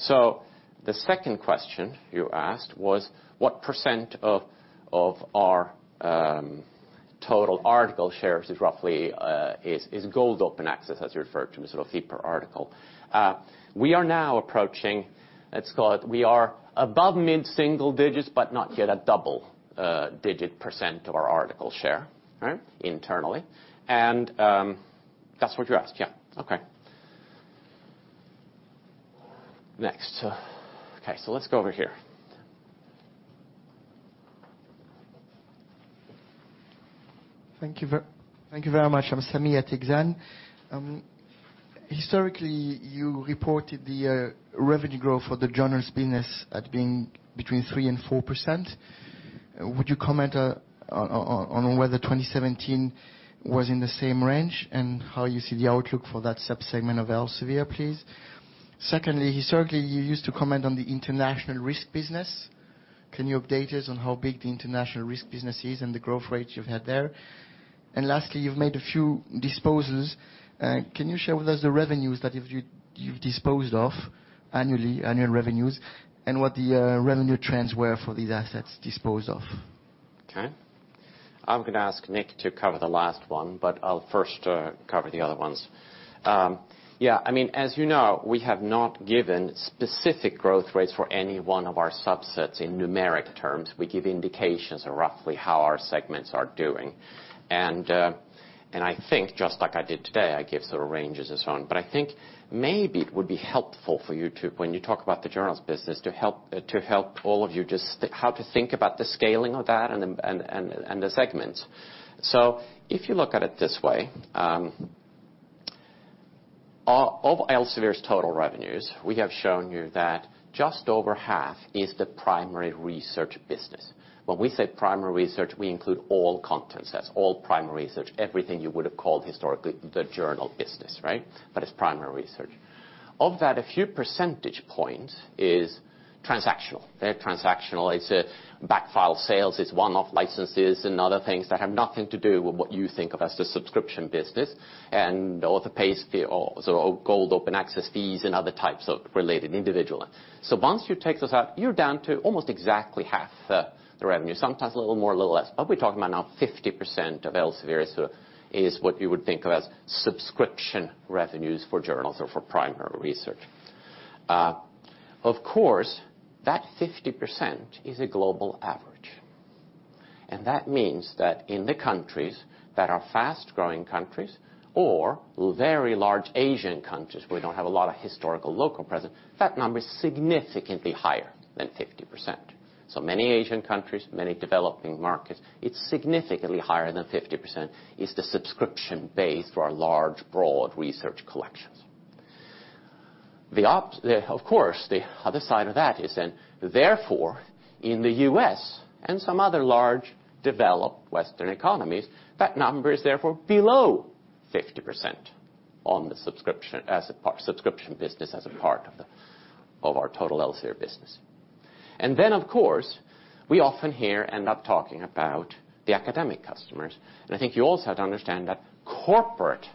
The second question you asked was, what percent of our total article shares is roughly, is gold open access, as you referred to, sort of fee per article. We are now approaching, let's call it, we are above mid-single digits but not yet a double digit percent of our article share, right? Internally. That's what you asked. Yeah. Next. Let's go over here. Thank you very much. I'm Sami Atigzan. Historically, you reported the revenue growth for the journals business at being between 3% and 4%. Would you comment on whether 2017 was in the same range, and how you see the outlook for that sub-segment of Elsevier, please? Secondly, historically, you used to comment on the international risk business. Can you update us on how big the international risk business is and the growth rates you've had there? Lastly, you've made a few disposals. Can you share with us the revenues that you've disposed off annually, annual revenues, and what the revenue trends were for these assets disposed of? I'm gonna ask Nick to cover the last one, but I'll first cover the other ones. Yeah, as you know, we have not given specific growth rates for any one of our subsets in numeric terms. We give indications of roughly how our segments are doing. I think just like I did today, I give sort of ranges and so on. I think maybe it would be helpful for you to, when you talk about the journals business, to help all of you just how to think about the scaling of that and the segments. If you look at it this way, of Elsevier's total revenues, we have shown you that just over half is the primary research business. When we say primary research, we include all content. That's all primary research, everything you would have called historically the journal business, right? It's primary research. Of that, a few percentage points is transactional. They're transactional. It's a back file sales, it's one-off licenses and other things that have nothing to do with what you think of as the subscription business and/or the pay, or gold open access fees and other types of related individual. Once you take those out, you're down to almost exactly half the revenue, sometimes a little more, a little less. We're talking about now 50% of Elsevier is what you would think of as subscription revenues for journals or for primary research. Of course, that 50% is a global average, and that means that in the countries that are fast-growing countries or very large Asian countries, we don't have a lot of historical local presence, that number is significantly higher than 50%. Many Asian countries, many developing markets, it's significantly higher than 50%, is the subscription base for our large, broad research collections. Of course, the other side of that is therefore, in the U.S. and some other large developed Western economies, that number is therefore below 50% on the subscription, as a part, subscription business as a part of our total Elsevier business. Of course, we often here end up talking about the academic customers. I think you also have to understand that corporate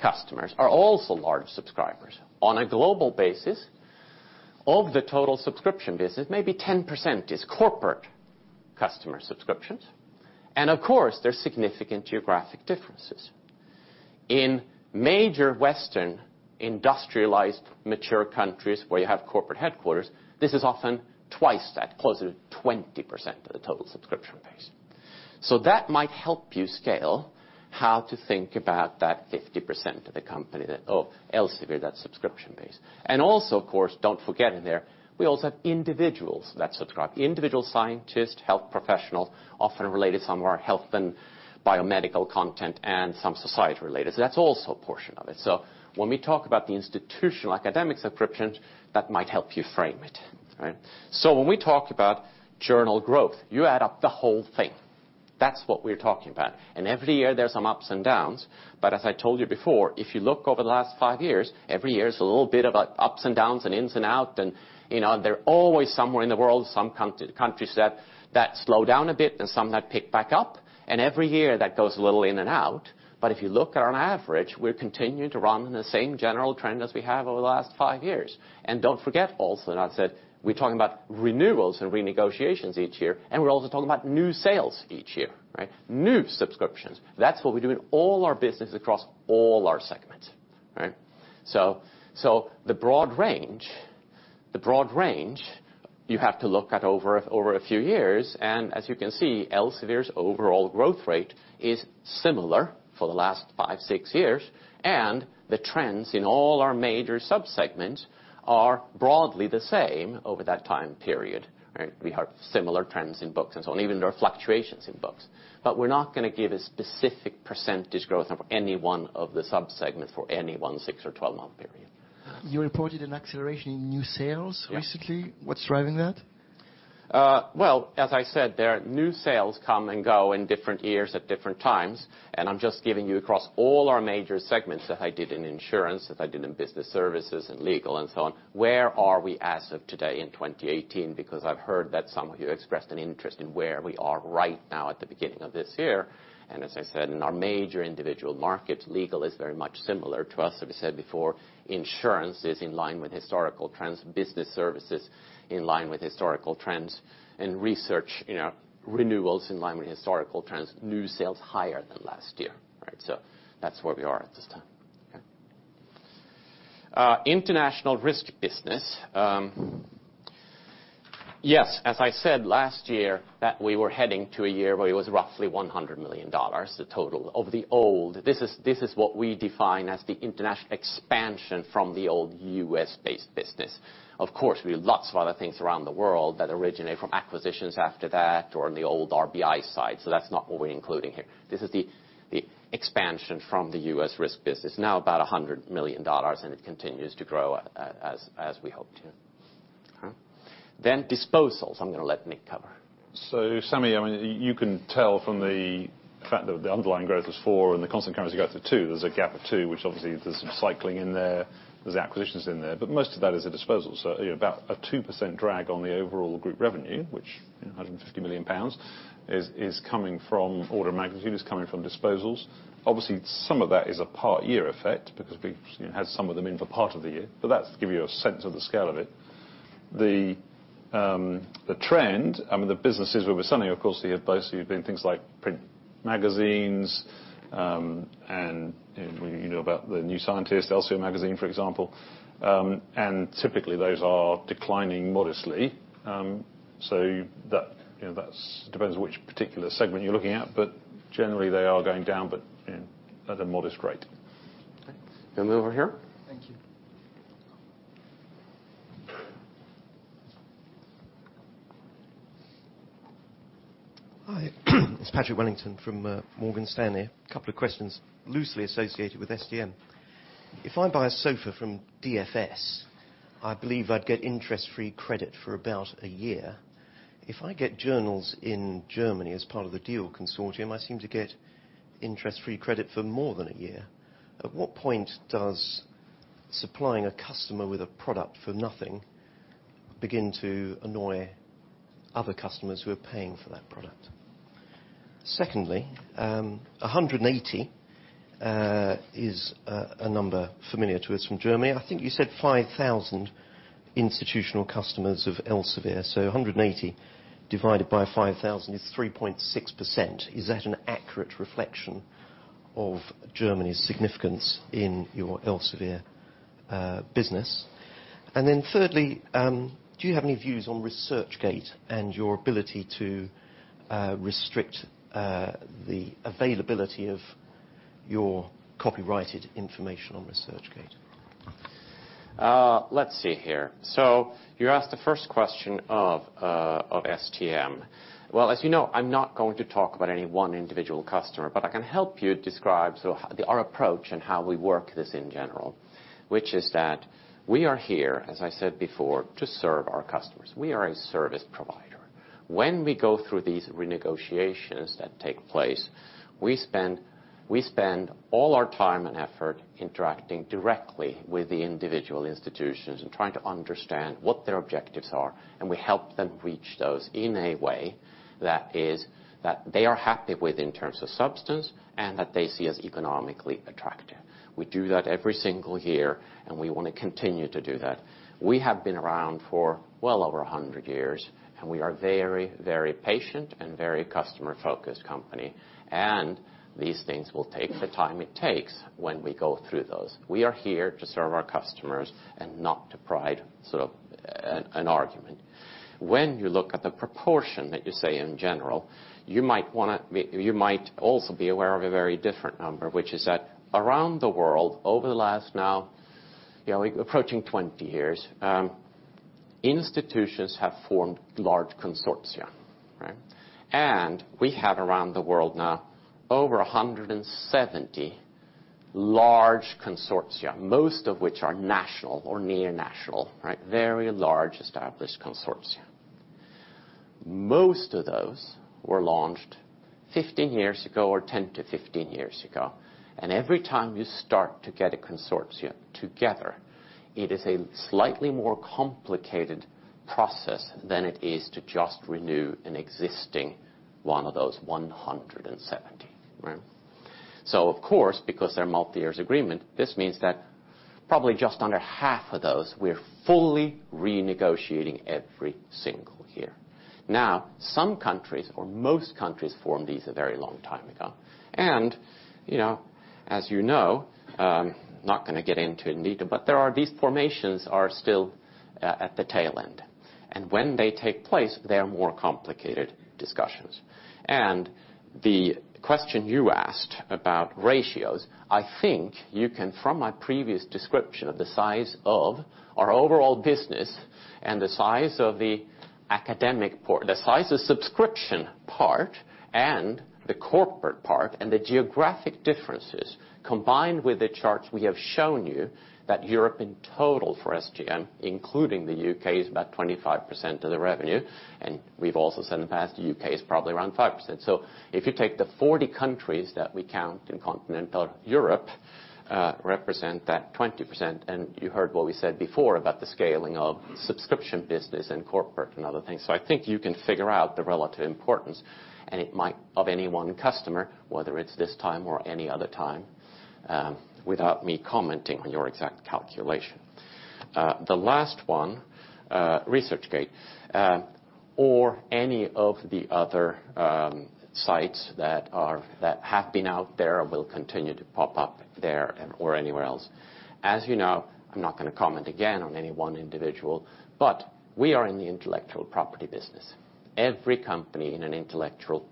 customers are also large subscribers. On a global basis, of the total subscription business, maybe 10% is corporate customer subscriptions. Of course, there's significant geographic differences. In major Western industrialized mature countries where you have corporate headquarters, this is often twice that, closer to 20% of the total subscription base. That might help you scale how to think about that 50% of the company that, or Elsevier, that subscription base. Also, of course, don't forget in there, we also have individuals that subscribe. Individual scientists, health professionals, often related to some of our health and biomedical content, and some society related. That's also a portion of it. When we talk about the institutional academic subscriptions, that might help you frame it. When we talk about journal growth, you add up the whole thing. That's what we're talking about. Every year there's some ups and downs, but as I told you before, if you look over the last five years, every year is a little bit of ups and downs and ins and out, and they're always somewhere in the world, some countries that slow down a bit and some that pick back up. Every year that goes a little in and out. If you look at on average, we're continuing to run the same general trend as we have over the last five years. Don't forget also, that said, we're talking about renewals and renegotiations each year, and we're also talking about new sales each year. New subscriptions. That's what we do in all our business across all our segments. The broad range, you have to look at over a few years. As you can see, Elsevier's overall growth rate is similar for the last five, six years. The trends in all our major subsegments are broadly the same over that time period. We have similar trends in books and so on, even though there are fluctuations in books. We're not going to give a specific percentage growth number for any one of the subsegments for any one six or 12-month period. You reported an acceleration in new sales recently. Yes. What's driving that? Well, as I said there, new sales come and go in different years at different times. I'm just giving you across all our major segments that I did in insurance, that I did in business services, in legal and so on, where are we as of today in 2018, because I've heard that some of you expressed an interest in where we are right now at the beginning of this year. As I said, in our major individual markets, legal is very much similar to us. As we said before, insurance is in line with historical trends, business services in line with historical trends, and research renewals in line with historical trends. New sales higher than last year. That's where we are at this time. International risk business. Yes, as I said last year that we were heading to a year where it was roughly $100 million, the total of the old. This is what we define as the international expansion from the old U.S.-based business. Of course, we have lots of other things around the world that originate from acquisitions after that or in the old RBI side. That's not what we're including here. This is the expansion from the U.S. risk business. Now about $100 million, and it continues to grow as we hope too. Disposals. I'm going to let Nick cover. Sami, you can tell from the fact that the underlying growth was 4% and the constant currency growth was 2%. There's a gap of 2%, which obviously there's some cycling in there. There's acquisitions in there. Most of that is a disposal. About a 2% drag on the overall group revenue, which, 150 million pounds, is coming from order magnitude, is coming from disposals. Obviously, some of that is a part year effect because we had some of them in for part of the year. That's to give you a sense of the scale of it. The trend, the businesses we were selling, of course, they have mostly been things like print magazines, and you know about the New Scientist, Elsevier magazine, for example. Typically, those are declining modestly. That depends which particular segment you're looking at, but generally they are going down, but at a modest rate. Thanks. Over here. Thank you. Hi. It's Patrick Wellington from Morgan Stanley. A couple of questions loosely associated with STM. If I buy a sofa from DFS, I believe I'd get interest-free credit for about a year. If I get journals in Germany as part of the DEAL Consortium, I seem to get interest-free credit for more than a year. At what point does supplying a customer with a product for nothing begin to annoy other customers who are paying for that product? Secondly, 180 is a number familiar to us from Germany. I think you said 5,000 institutional customers of Elsevier. 180 divided by 5,000 is 3.6%. Is that an accurate reflection of Germany's significance in your Elsevier business? Thirdly, do you have any views on ResearchGate and your ability to restrict the availability of your copyrighted information on ResearchGate? Let's see here. You asked the first question of STM. Well, as you know, I'm not going to talk about any one individual customer, but I can help you describe our approach and how we work this in general. Which is that we are here, as I said before, to serve our customers. We are a service provider. When we go through these renegotiations that take place, we spend all our time and effort interacting directly with the individual institutions and trying to understand what their objectives are, and we help them reach those in a way that they are happy with in terms of substance and that they see as economically attractive. We do that every single year, and we want to continue to do that. We have been around for well over 100 years, and we are very patient and very customer-focused company. These things will take the time it takes when we go through those. We are here to serve our customers and not to provide an argument. When you look at the proportion that you say in general, you might also be aware of a very different number, which is that around the world, over the last now approaching 20 years, institutions have formed large consortia. We have around the world now over 170 large consortia, most of which are national or near national. Very large established consortia. Most of those were launched 15 years ago or 10 to 15 years ago. Every time you start to get a consortia together, it is a slightly more complicated process than it is to just renew an existing one of those 170. Of course, because they are multi-year agreement, this means that probably just under half of those, we are fully renegotiating every single year. Some countries or most countries formed these a very long time ago. As you know, I am not going to get into India, but these formations are still at the tail end. When they take place, they are more complicated discussions. The question you asked about ratios, I think you can, from my previous description of the size of our overall business and the size of subscription part and the corporate part, and the geographic differences combined with the charts we have shown you that Europe in total for STM, including the U.K., is about 25% of the revenue, and we have also said in the past, U.K. is probably around 5%. If you take the 40 countries that we count in continental Europe, represent that 20%, you heard what we said before about the scaling of subscription business and corporate and other things. I think you can figure out the relative importance of any one customer, whether it is this time or any other time, without me commenting on your exact calculation. The last one, ResearchGate, or any of the other sites that have been out there or will continue to pop up there or anywhere else. As you know, I am not going to comment again on any one individual, but we are in the intellectual property business. Every company in an intellectual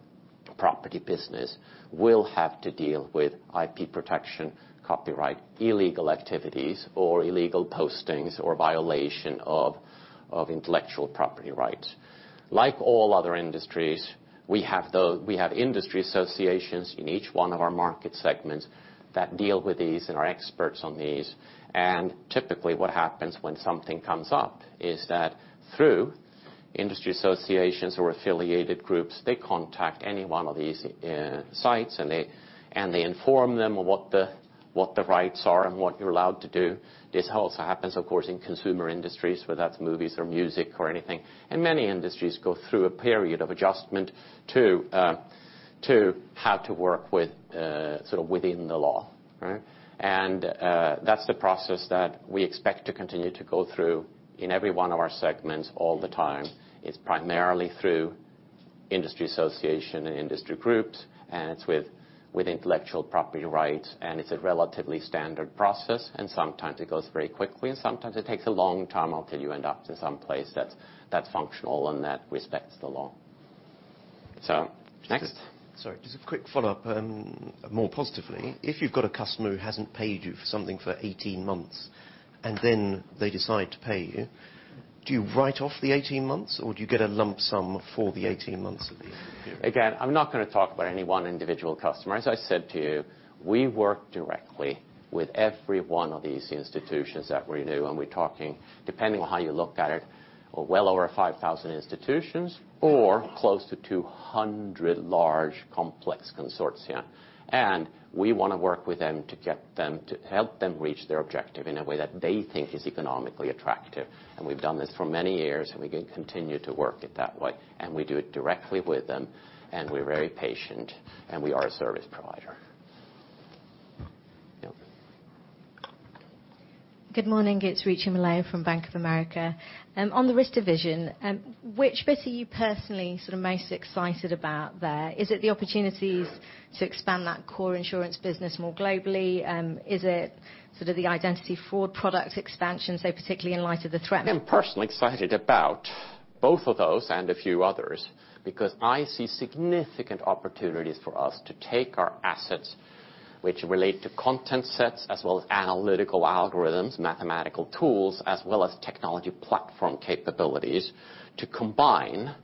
property business will have to deal with IP protection, copyright, illegal activities, or illegal postings, or violation of intellectual property rights. Like all other industries, we have industry associations in each one of our market segments that deal with these and are experts on these. Typically what happens when something comes up is that through industry associations or affiliated groups, they contact any one of these sites, and they inform them of what the rights are and what you are allowed to do. This also happens, of course, in consumer industries, whether that is movies or music or anything. Many industries go through a period of adjustment to how to work within the law. That is the process that we expect to continue to go through in every one of our segments all the time. It is primarily through industry association and industry groups, it is with intellectual property rights, it is a relatively standard process, sometimes it goes very quickly, sometimes it takes a long time until you end up to some place that is functional and that respects the law. Next. Sorry, just a quick follow-up. More positively, if you've got a customer who hasn't paid you for something for 18 months, then they decide to pay you, do you write off the 18 months, or do you get a lump sum for the 18 months at the end? Again, I'm not going to talk about any one individual customer. As I said to you, we work directly with every one of these institutions that renew, and we're talking, depending on how you look at it, well over 5,000 institutions or close to 200 large complex consortia. We want to work with them to help them reach their objective in a way that they think is economically attractive. We've done this for many years, and we continue to work it that way, and we do it directly with them, and we're very patient, and we are a service provider. Yep. Good morning, it's Ruchi Mulay from Bank of America. On the risk division, which bit are you personally most excited about there? Is it the opportunities to expand that core insurance business more globally? Is it sort of the identity fraud product expansion, say particularly in light of the I'm personally excited about both of those and a few others because I see significant opportunities for us to take our assets, which relate to content sets as well as analytical algorithms, mathematical tools, as well as technology platform capabilities to combine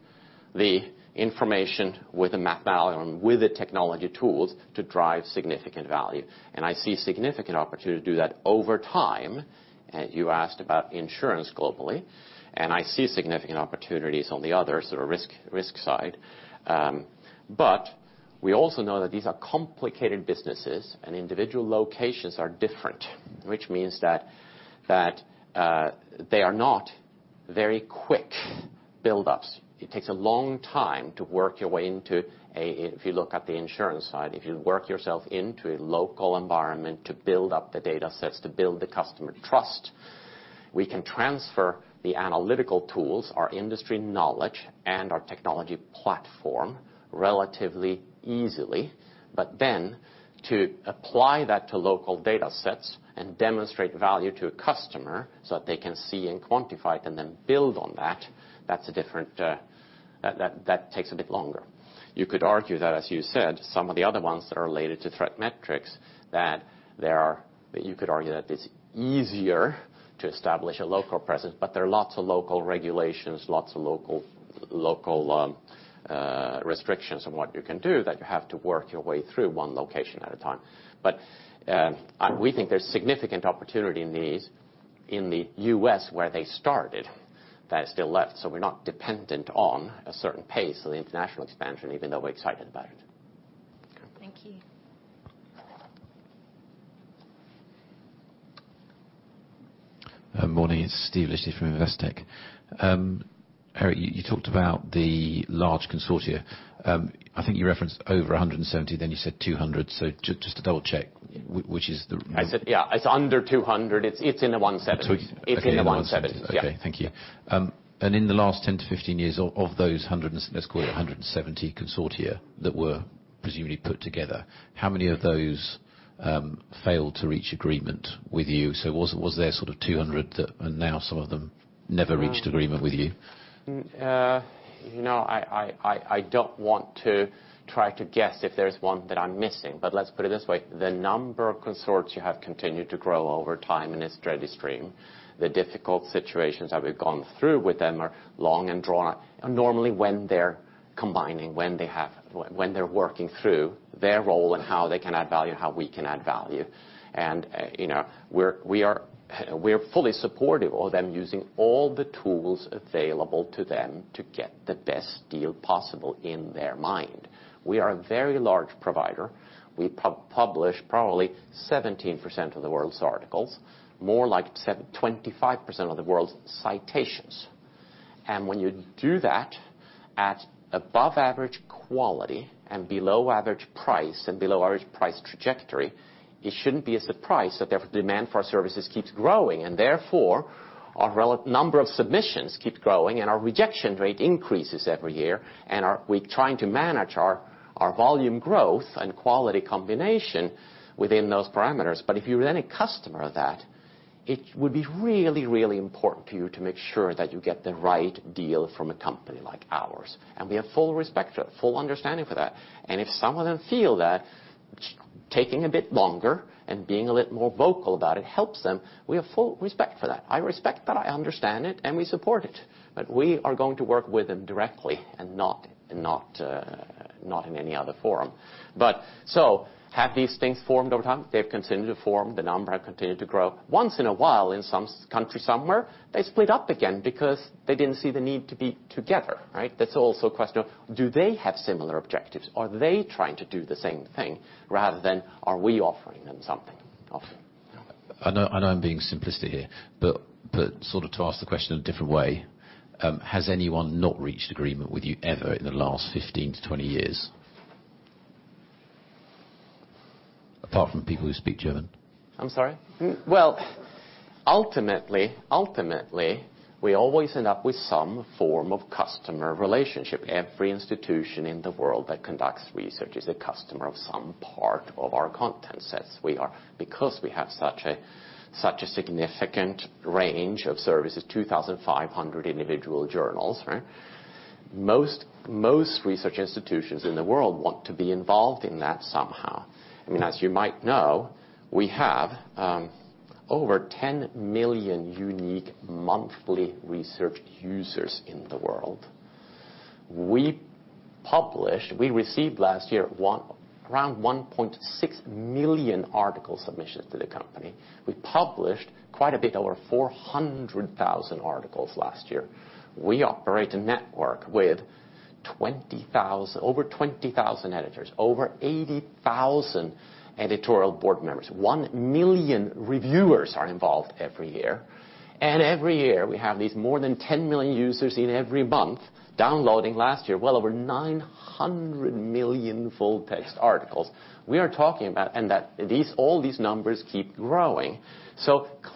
the information with the technology tools to drive significant value. I see significant opportunity to do that over time. You asked about insurance globally, and I see significant opportunities on the other risk side. We also know that these are complicated businesses, and individual locations are different, which means that they are not very quick buildups. It takes a long time to work your way. If you look at the insurance side, if you work yourself into a local environment to build up the data sets, to build the customer trust. We can transfer the analytical tools, our industry knowledge, and our technology platform relatively easily. To apply that to local data sets and demonstrate value to a customer so that they can see and quantify it, and then build on that takes a bit longer. You could argue that, as you said, some of the other ones that are related to ThreatMetrix, that you could argue that it's easier to establish a local presence, there are lots of local regulations, lots of local restrictions on what you can do that you have to work your way through one location at a time. We think there's significant opportunity in these in the U.S. where they started, that are still left. We're not dependent on a certain pace of the international expansion, even though we're excited about it. Thank you. Good morning, it's Steve Liechti from Investec. Erik, you talked about the large consortia. I think you referenced over 170, then you said 200. Just to double check, which is the? I said, yeah, it's under 200. It's in the 170s. Okay. Thank you. In the last 10 to 15 years of those, let's call it 170 consortia that were presumably put together, how many of those failed to reach agreement with you? Was there sort of 200 that are now some of them never reached agreement with you? I don't want to try to guess if there's one that I'm missing, let's put it this way. The number of consortia have continued to grow over time in a steady stream. The difficult situations that we've gone through with them are long and drawn, are normally when they're combining, when they're working through their role and how they can add value, and how we can add value. We are fully supportive of them using all the tools available to them to get the best deal possible in their mind. We are a very large provider. We publish probably 17% of the world's articles, more like 25% of the world's citations. When you do that at above average quality and below average price, and below average price trajectory, it shouldn't be a surprise that their demand for our services keeps growing. Therefore, our number of submissions keep growing, and our rejection rate increases every year. We're trying to manage our volume growth and quality combination within those parameters. If you were any customer of that, it would be really, really important to you to make sure that you get the right deal from a company like ours. We have full respect, full understanding for that. If some of them feel that taking a bit longer and being a little more vocal about it helps them, we have full respect for that. I respect that, I understand it, and we support it. We are going to work with them directly and not in any other forum. Have these things formed over time? They've continued to form. The number have continued to grow. Once in a while, in some country somewhere, they split up again because they didn't see the need to be together, right? That's also a question of, do they have similar objectives? Are they trying to do the same thing rather than are we offering them something? I know I'm being simplistic here, but sort of to ask the question a different way, has anyone not reached agreement with you ever in the last 15 to 20 years? Apart from people who speak German. I'm sorry? Ultimately, we always end up with some form of customer relationship. Every institution in the world that conducts research is a customer of some part of our content, since because we have such a significant range of services, 2,500 individual journals, right? Most research institutions in the world want to be involved in that somehow. As you might know, we have over 10 million unique monthly research users in the world. We received last year around 1.6 million article submissions to the company. We published quite a bit over 400,000 articles last year. We operate a network with over 20,000 editors, over 80,000 editorial board members. 1 million reviewers are involved every year. Every year, we have these more than 10 million users in every month downloading last year well over 900 million full text articles. We are talking about. That all these numbers keep growing.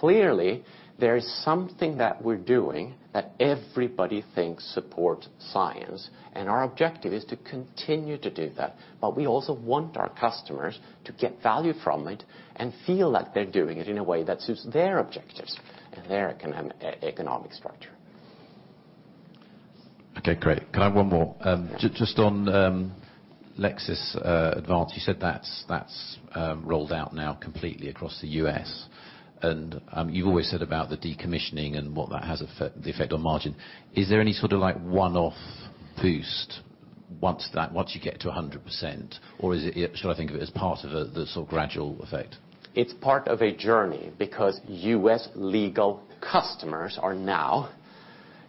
Clearly, there is something that we're doing that everybody thinks supports science, and our objective is to continue to do that. We also want our customers to get value from it and feel like they're doing it in a way that suits their objectives and their economic structure. Okay, great. Can I have one more? Yeah. Just on Lexis Advance, you said that's rolled out now completely across the U.S. You've always said about the decommissioning and what that has the effect on margin. Is there any sort of one-off boost once you get to 100%? Should I think of it as part of the sort of gradual effect? It's part of a journey because U.S. legal customers are now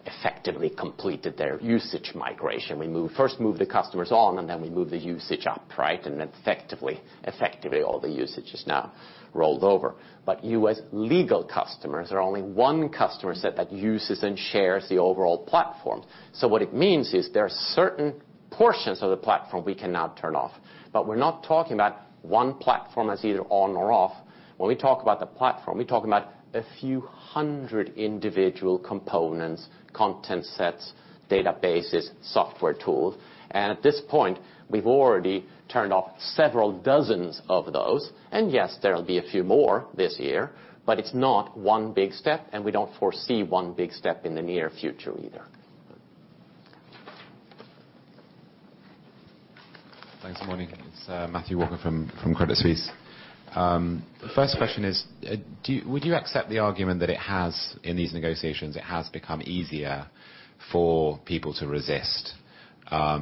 effectively completed their usage migration. We first move the customers on, and then we move the usage up, right? Effectively all the usage is now rolled over. U.S. legal customers are only one customer set that uses and shares the overall platform. What it means is there are certain portions of the platform we can now turn off. We're not talking about one platform as either on or off. When we talk about the platform, we're talking about a few 100 individual components, content sets, databases, software tools. At this point, we've already turned off several dozens of those. Yes, there'll be a few more this year, but it's not one big step, and we don't foresee one big step in the near future either. Thanks. Good morning. It's Matthew Walker from Credit Suisse. First question is, would you accept the argument that in these negotiations, it has become easier for people to resist,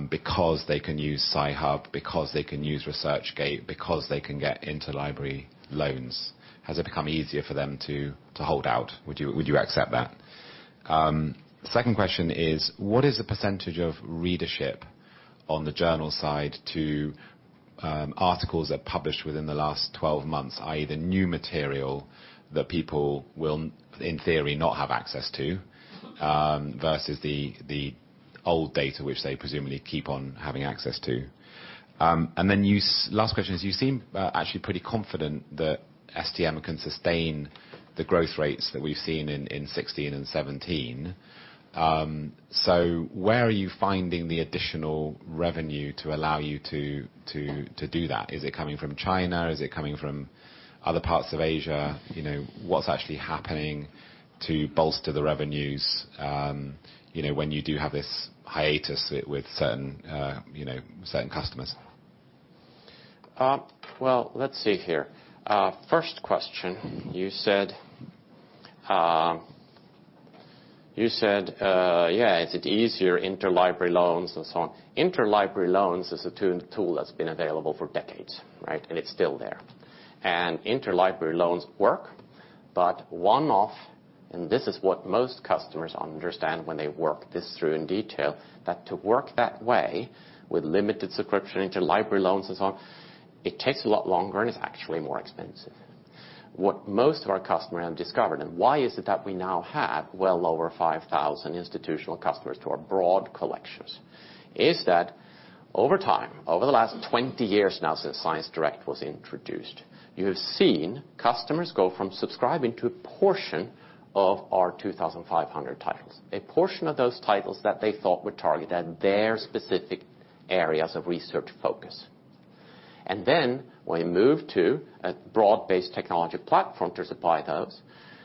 because they can use Sci-Hub, because they can use ResearchGate, because they can get interlibrary loans? Has it become easier for them to hold out? Would you accept that? Second question is, what is the % of readership on the journal side to articles that published within the last 12 months, i.e., the new material that people will, in theory, not have access to, versus the old data which they presumably keep on having access to? Last question is, you seem actually pretty confident that STM can sustain the growth rates that we've seen in 2016 and 2017. Where are you finding the additional revenue to allow you to do that? Is it coming from China? Is it coming from other parts of Asia? What's actually happening to bolster the revenues, when you do have this hiatus with certain customers? Well, let's see here. First question, you said, yeah, is it easier interlibrary loans and so on. Interlibrary loans is a tool that's been available for decades, right? It's still there. Interlibrary loans work, but one off, and this is what most customers understand when they work this through in detail, that to work that way with limited subscription interlibrary loans and so on, it takes a lot longer and is actually more expensive. What most of our customers have discovered, and why is it that we now have well over 5,000 institutional customers to our broad collections, is that over time, over the last 20 years now since ScienceDirect was introduced, you have seen customers go from subscribing to a portion of our 2,500 titles, a portion of those titles that they thought would target at their specific areas of research focus. When we moved to a broad-based technology platform to supply those,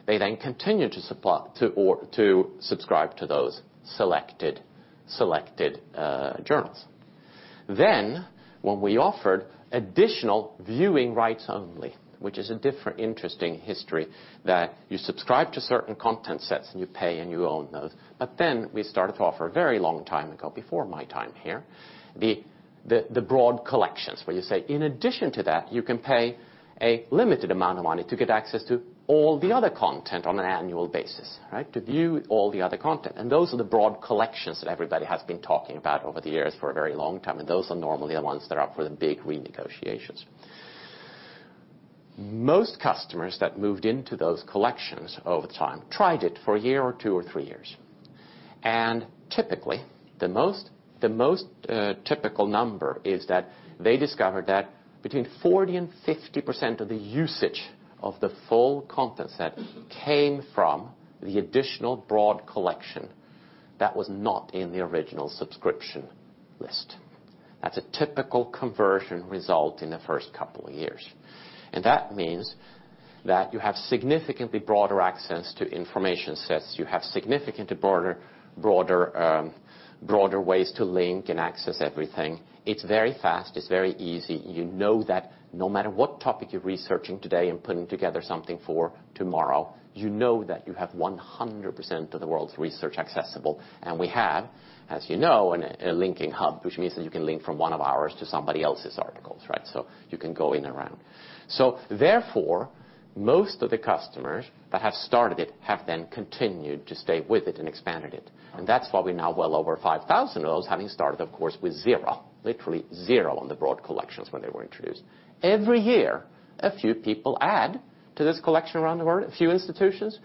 they then continued to subscribe to those selected journals. When we offered additional viewing rights only, which is a different, interesting history, that you subscribe to certain content sets, and you pay, and you own those. We started to offer a very long time ago, before my time here, the broad collections. Where you say, in addition to that, you can pay a limited amount of money to get access to all the other content on an annual basis, right? To view all the other content. Those are the broad collections that everybody has been talking about over the years for a very long time, and those are normally the ones that are up for the big renegotiations. Most customers that moved into those collections over time tried it for a year or two or three years. Typically, the most typical number is that they discovered that between 40%-50% of the usage of the full content set came from the additional broad collection that was not in the original subscription list. That's a typical conversion result in the first couple of years. That means that you have significantly broader access to information sets. You have significantly broader ways to link and access everything. It's very fast. It's very easy. You know that no matter what topic you're researching today and putting together something for tomorrow, you know that you have 100% of the world's research accessible. We have, as you know, a linking hub, which means that you can link from one of ours to somebody else's articles, right? You can go in around. Therefore, most of the customers that have started it have then continued to stay with it and expanded it. That's why we're now well over 5,000 of those, having started, of course, with zero, literally zero on the broad collections when they were introduced. Every year, a few people add to this collection around the world, a few institutions.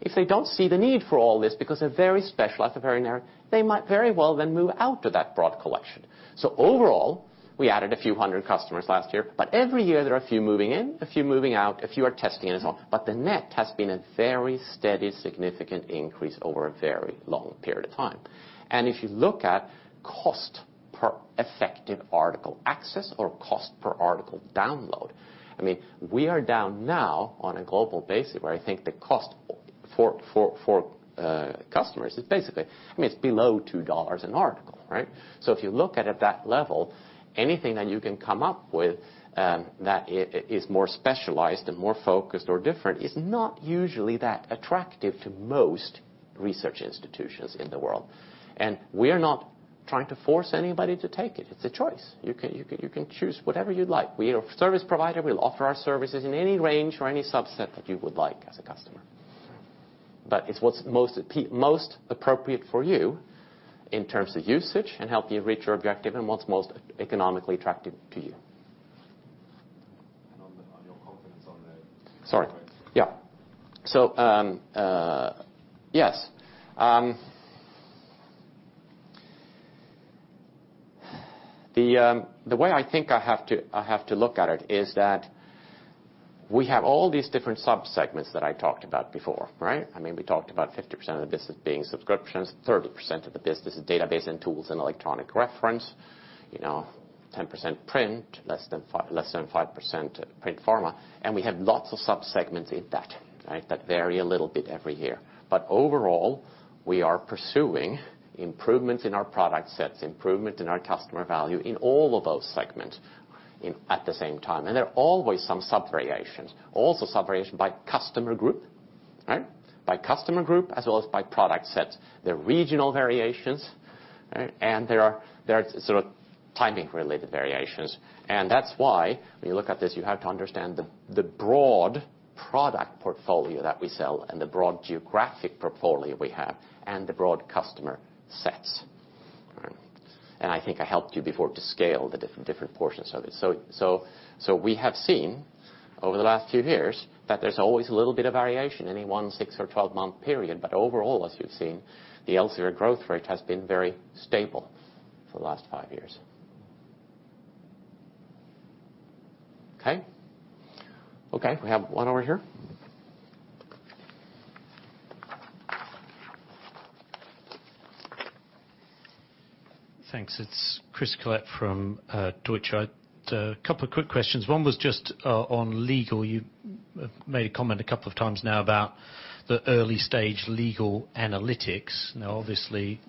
If they don't see the need for all this because they're very specialized or very narrow, they might very well then move out of that broad collection. Overall, we added a few hundred customers last year, but every year there are a few moving in, a few moving out, a few are testing it and so on. The net has been a very steady, significant increase over a very long period of time. If you look at cost per effective article access or cost per article download, we are down now on a global basis where I think the cost for customers is basically below $2 an article, right. If you look at it at that level, anything that you can come up with that is more specialized and more focused or different is not usually that attractive to most research institutions in the world. We are not trying to force anybody to take it. It's a choice. You can choose whatever you'd like. We are a service provider. We'll offer our services in any range or any subset that you would like as a customer. But it's what's most appropriate for you in terms of usage and help you reach your objective and what's most economically attractive to you. Sorry. Yeah. Yes. The way I think I have to look at it is that we have all these different sub-segments that I talked about before. We talked about 50% of the business being subscriptions, 30% of the business is database and tools and electronic reference, 10% print, less than 5% print pharma, and we have lots of sub-segments in that vary a little bit every year. Overall, we are pursuing improvements in our product sets, improvement in our customer value in all of those segments at the same time. There are always some sub-variations. Also sub-variation by customer group. By customer group as well as by product sets. There are regional variations, and there are timing-related variations. That's why when you look at this, you have to understand the broad product portfolio that we sell and the broad geographic portfolio we have, and the broad customer sets. I think I helped you before to scale the different portions of it. We have seen over the last few years that there's always a little bit of variation, any one six or 12-month period. Overall, as you've seen, the Elsevier growth rate has been very stable for the last five years. Okay. Okay, we have one over here. Thanks. It's Chris Collett from Deutsche. A couple of quick questions. One was just on legal. You made a comment a couple of times now about the early-stage legal analytics. Obviously,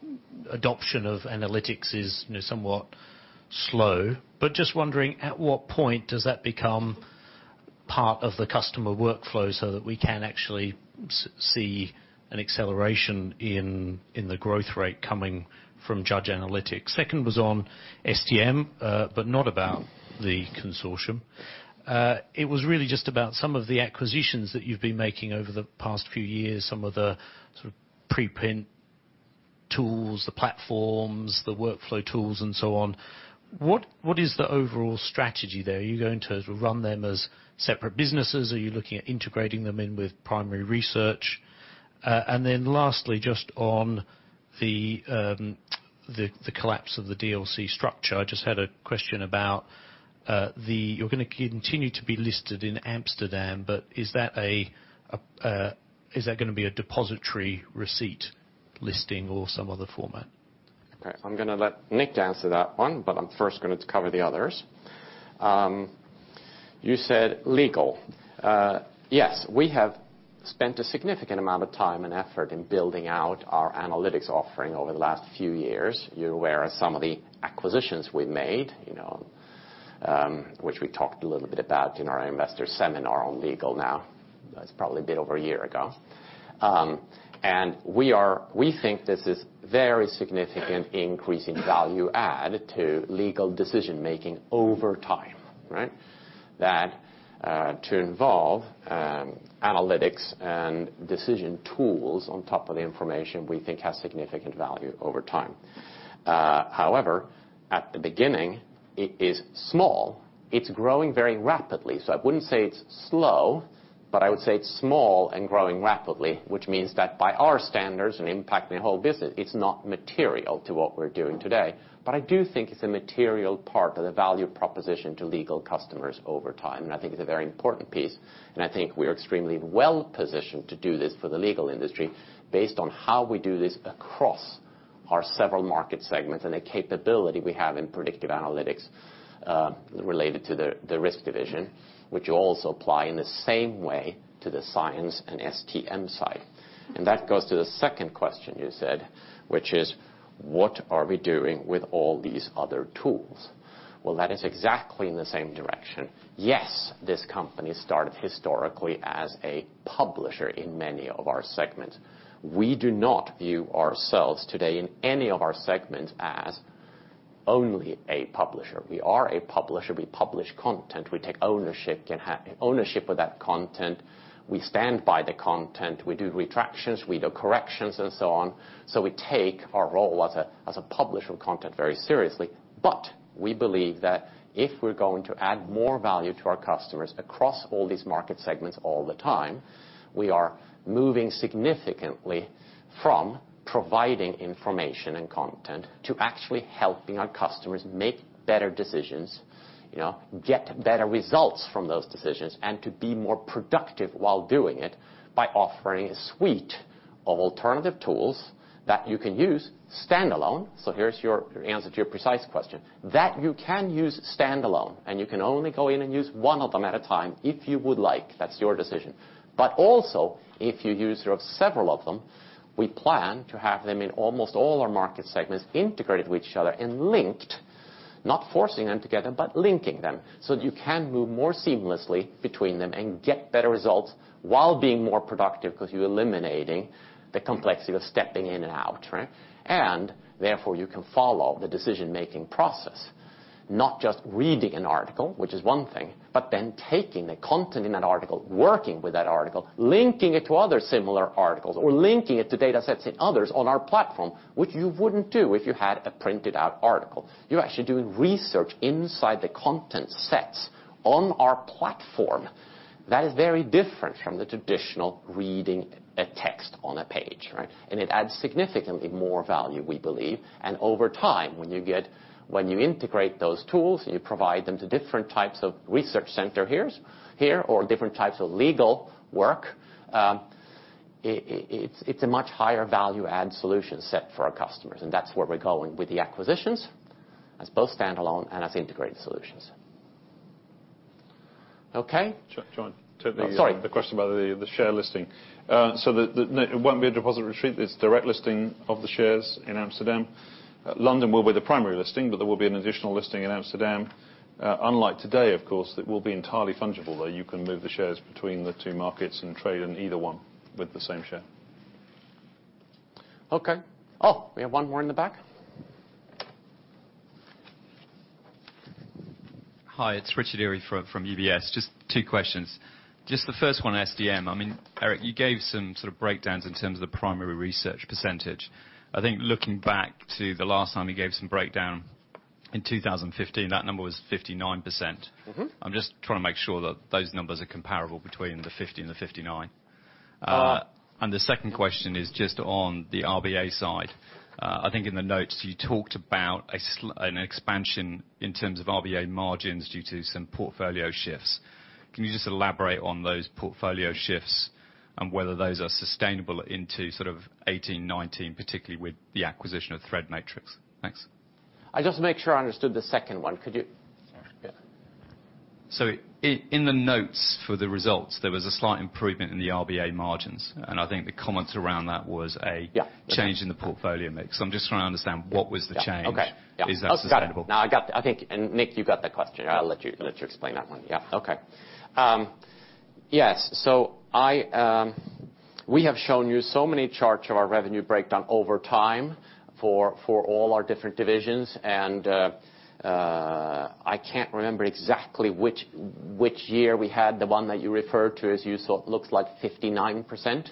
adoption of analytics is somewhat slow, but just wondering, at what point does that become part of the customer workflow so that we can actually see an acceleration in the growth rate coming from judge analytics. Second was on STM, but not about the consortium. It was really just about some of the acquisitions that you've been making over the past few years, some of the pre-print tools, the platforms, the workflow tools, and so on. What is the overall strategy there? Are you going to run them as separate businesses? Are you looking at integrating them in with primary research? lastly, just on the collapse of the DLC structure, I just had a question about the. You're going to continue to be listed in Amsterdam, but is that going to be a depository receipt listing or some other format? I'm going to let Nick answer that one, but I'm first going to cover the others. You said legal. Yes. We have spent a significant amount of time and effort in building out our analytics offering over the last few years. You're aware of some of the acquisitions we've made, which we talked a little bit about in our investor seminar on legal now. That's probably a bit over a year ago. We think this is very significant increase in value add to legal decision-making over time. That to involve analytics and decision tools on top of the information we think has significant value over time. However, at the beginning, it is small. It's growing very rapidly. I wouldn't say it's slow, but I would say it's small and growing rapidly, which means that by our standards and impacting the whole business, it's not material to what we're doing today. I do think it's a material part of the value proposition to legal customers over time, and I think it's a very important piece, and I think we're extremely well-positioned to do this for the legal industry based on how we do this across our several market segments and the capability we have in predictive analytics related to the risk division, which will also apply in the same way to the science and STM side. That goes to the second question you said, which is, what are we doing with all these other tools? That is exactly in the same direction. This company started historically as a publisher in many of our segments. We do not view ourselves today in any of our segments as only a publisher. We are a publisher. We publish content. We take ownership of that content. We stand by the content. We do retractions, we do corrections, and so on. We take our role as a publisher of content very seriously. We believe that if we're going to add more value to our customers across all these market segments all the time, we are moving significantly from providing information and content to actually helping our customers make better decisions, get better results from those decisions, and to be more productive while doing it by offering a suite of alternative tools that you can use standalone. Here's your answer to your precise question. That you can use standalone, and you can only go in and use one of them at a time if you would like. That's your decision. Also, if you use several of them, we plan to have them in almost all our market segments integrated with each other and linked, not forcing them together, but linking them so that you can move more seamlessly between them and get better results while being more productive because you're eliminating the complexity of stepping in and out. Therefore, you can follow the decision-making process. Not just reading an article, which is one thing, but then taking the content in that article, working with that article, linking it to other similar articles, or linking it to data sets in others on our platform, which you wouldn't do if you had a printed-out article. You're actually doing research inside the content sets on our platform. That is very different from the traditional reading a text on a page. It adds significantly more value, we believe. Over time, when you integrate those tools and you provide them to different types of research center here or different types of legal work It's a much higher value add solution set for our customers, and that's where we're going with the acquisitions, as both standalone and as integrated solutions. Okay? Chris. Sorry. The question about the share listing. It won't be a depository receipt, it's direct listing of the shares in Amsterdam. London will be the primary listing, but there will be an additional listing in Amsterdam. Unlike today, of course, it will be entirely fungible, though. You can move the shares between the two markets and trade in either one with the same share. Okay. Oh, we have one more in the back. Hi, it's Richard Eary from UBS. Just two questions. Just the first one, STM. I mean, Erik, you gave some sort of breakdowns in terms of the primary research %. I think looking back to the last time you gave some breakdown in 2015, that number was 59%. I'm just trying to make sure that those numbers are comparable between the 50 and the 59. Uh- The second question is just on the RBI side. I think in the notes you talked about an expansion in terms of RBI margins due to some portfolio shifts. Can you just elaborate on those portfolio shifts and whether those are sustainable into sort of 2018, 2019, particularly with the acquisition of ThreatMetrix? Thanks. Just to make sure I understood the second one, could you Sure. Yeah. In the notes for the results, there was a slight improvement in the RBI margins, and I think the comment around that was. Yeah change in the portfolio mix. I'm just trying to understand what was the change. Yeah. Okay. Yeah. Is that sustainable? I think, Nick, you got that question. I'll let you explain that one. Yes. We have shown you so many charts of our revenue breakdown over time for all our different divisions and I can't remember exactly which year we had the one that you referred to, as you saw it looks like 59%.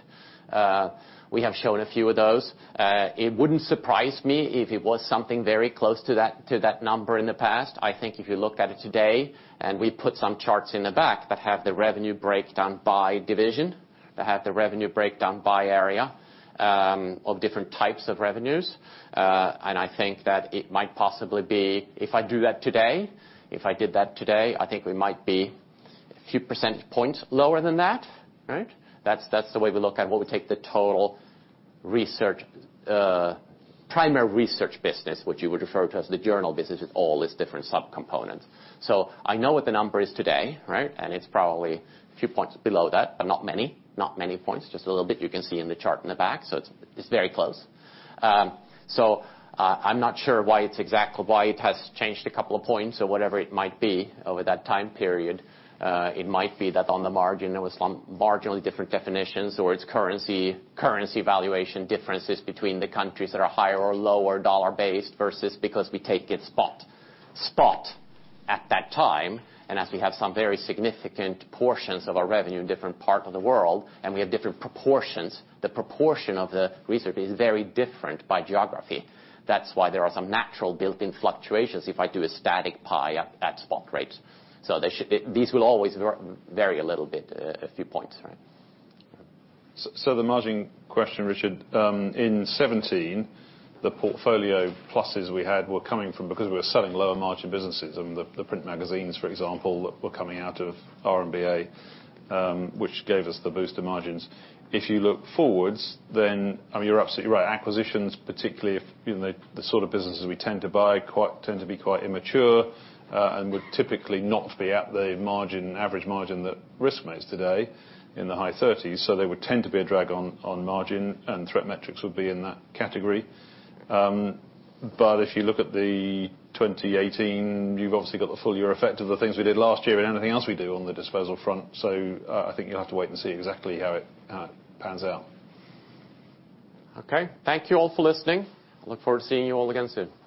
We have shown a few of those. It wouldn't surprise me if it was something very close to that number in the past. I think if you look at it today, and we put some charts in the back that have the revenue breakdown by division, that have the revenue breakdown by area, of different types of revenues. I think that it might possibly be, if I do that today, I think we might be a few percentage points lower than that, right? That's the way we look at what we take the total primary research business, which you would refer to as the journal business, with all its different subcomponents. I know what the number is today, right? It's probably a few points below that, but not many points, just a little bit. You can see in the chart in the back. It's very close. I'm not sure why it has changed a couple of points or whatever it might be over that time period. It might be that on the margin, there was some marginally different definitions or it's currency valuation differences between the countries that are higher or lower dollar based versus because we take it spot at that time. As we have some very significant portions of our revenue in different part of the world, and we have different proportions, the proportion of the research is very different by geography. That's why there are some natural built-in fluctuations if I do a static pie at spot rates. These will always vary a little bit, a few points. The margin question, Richard, in 2017, the portfolio pluses we had were coming from because we were selling lower margin businesses and the print magazines, for example, that were coming out of RBI, which gave us the boost in margins. If you look forwards, then, I mean, you're absolutely right. Acquisitions, particularly the sort of businesses we tend to buy, tend to be quite immature, and would typically not be at the average margin that RELX makes today in the high 30s. They would tend to be a drag on margin and ThreatMetrix would be in that category. If you look at the 2018, you've obviously got the full year effect of the things we did last year and anything else we do on the disposal front. I think you'll have to wait and see exactly how it pans out. Okay. Thank you all for listening. I look forward to seeing you all again soon.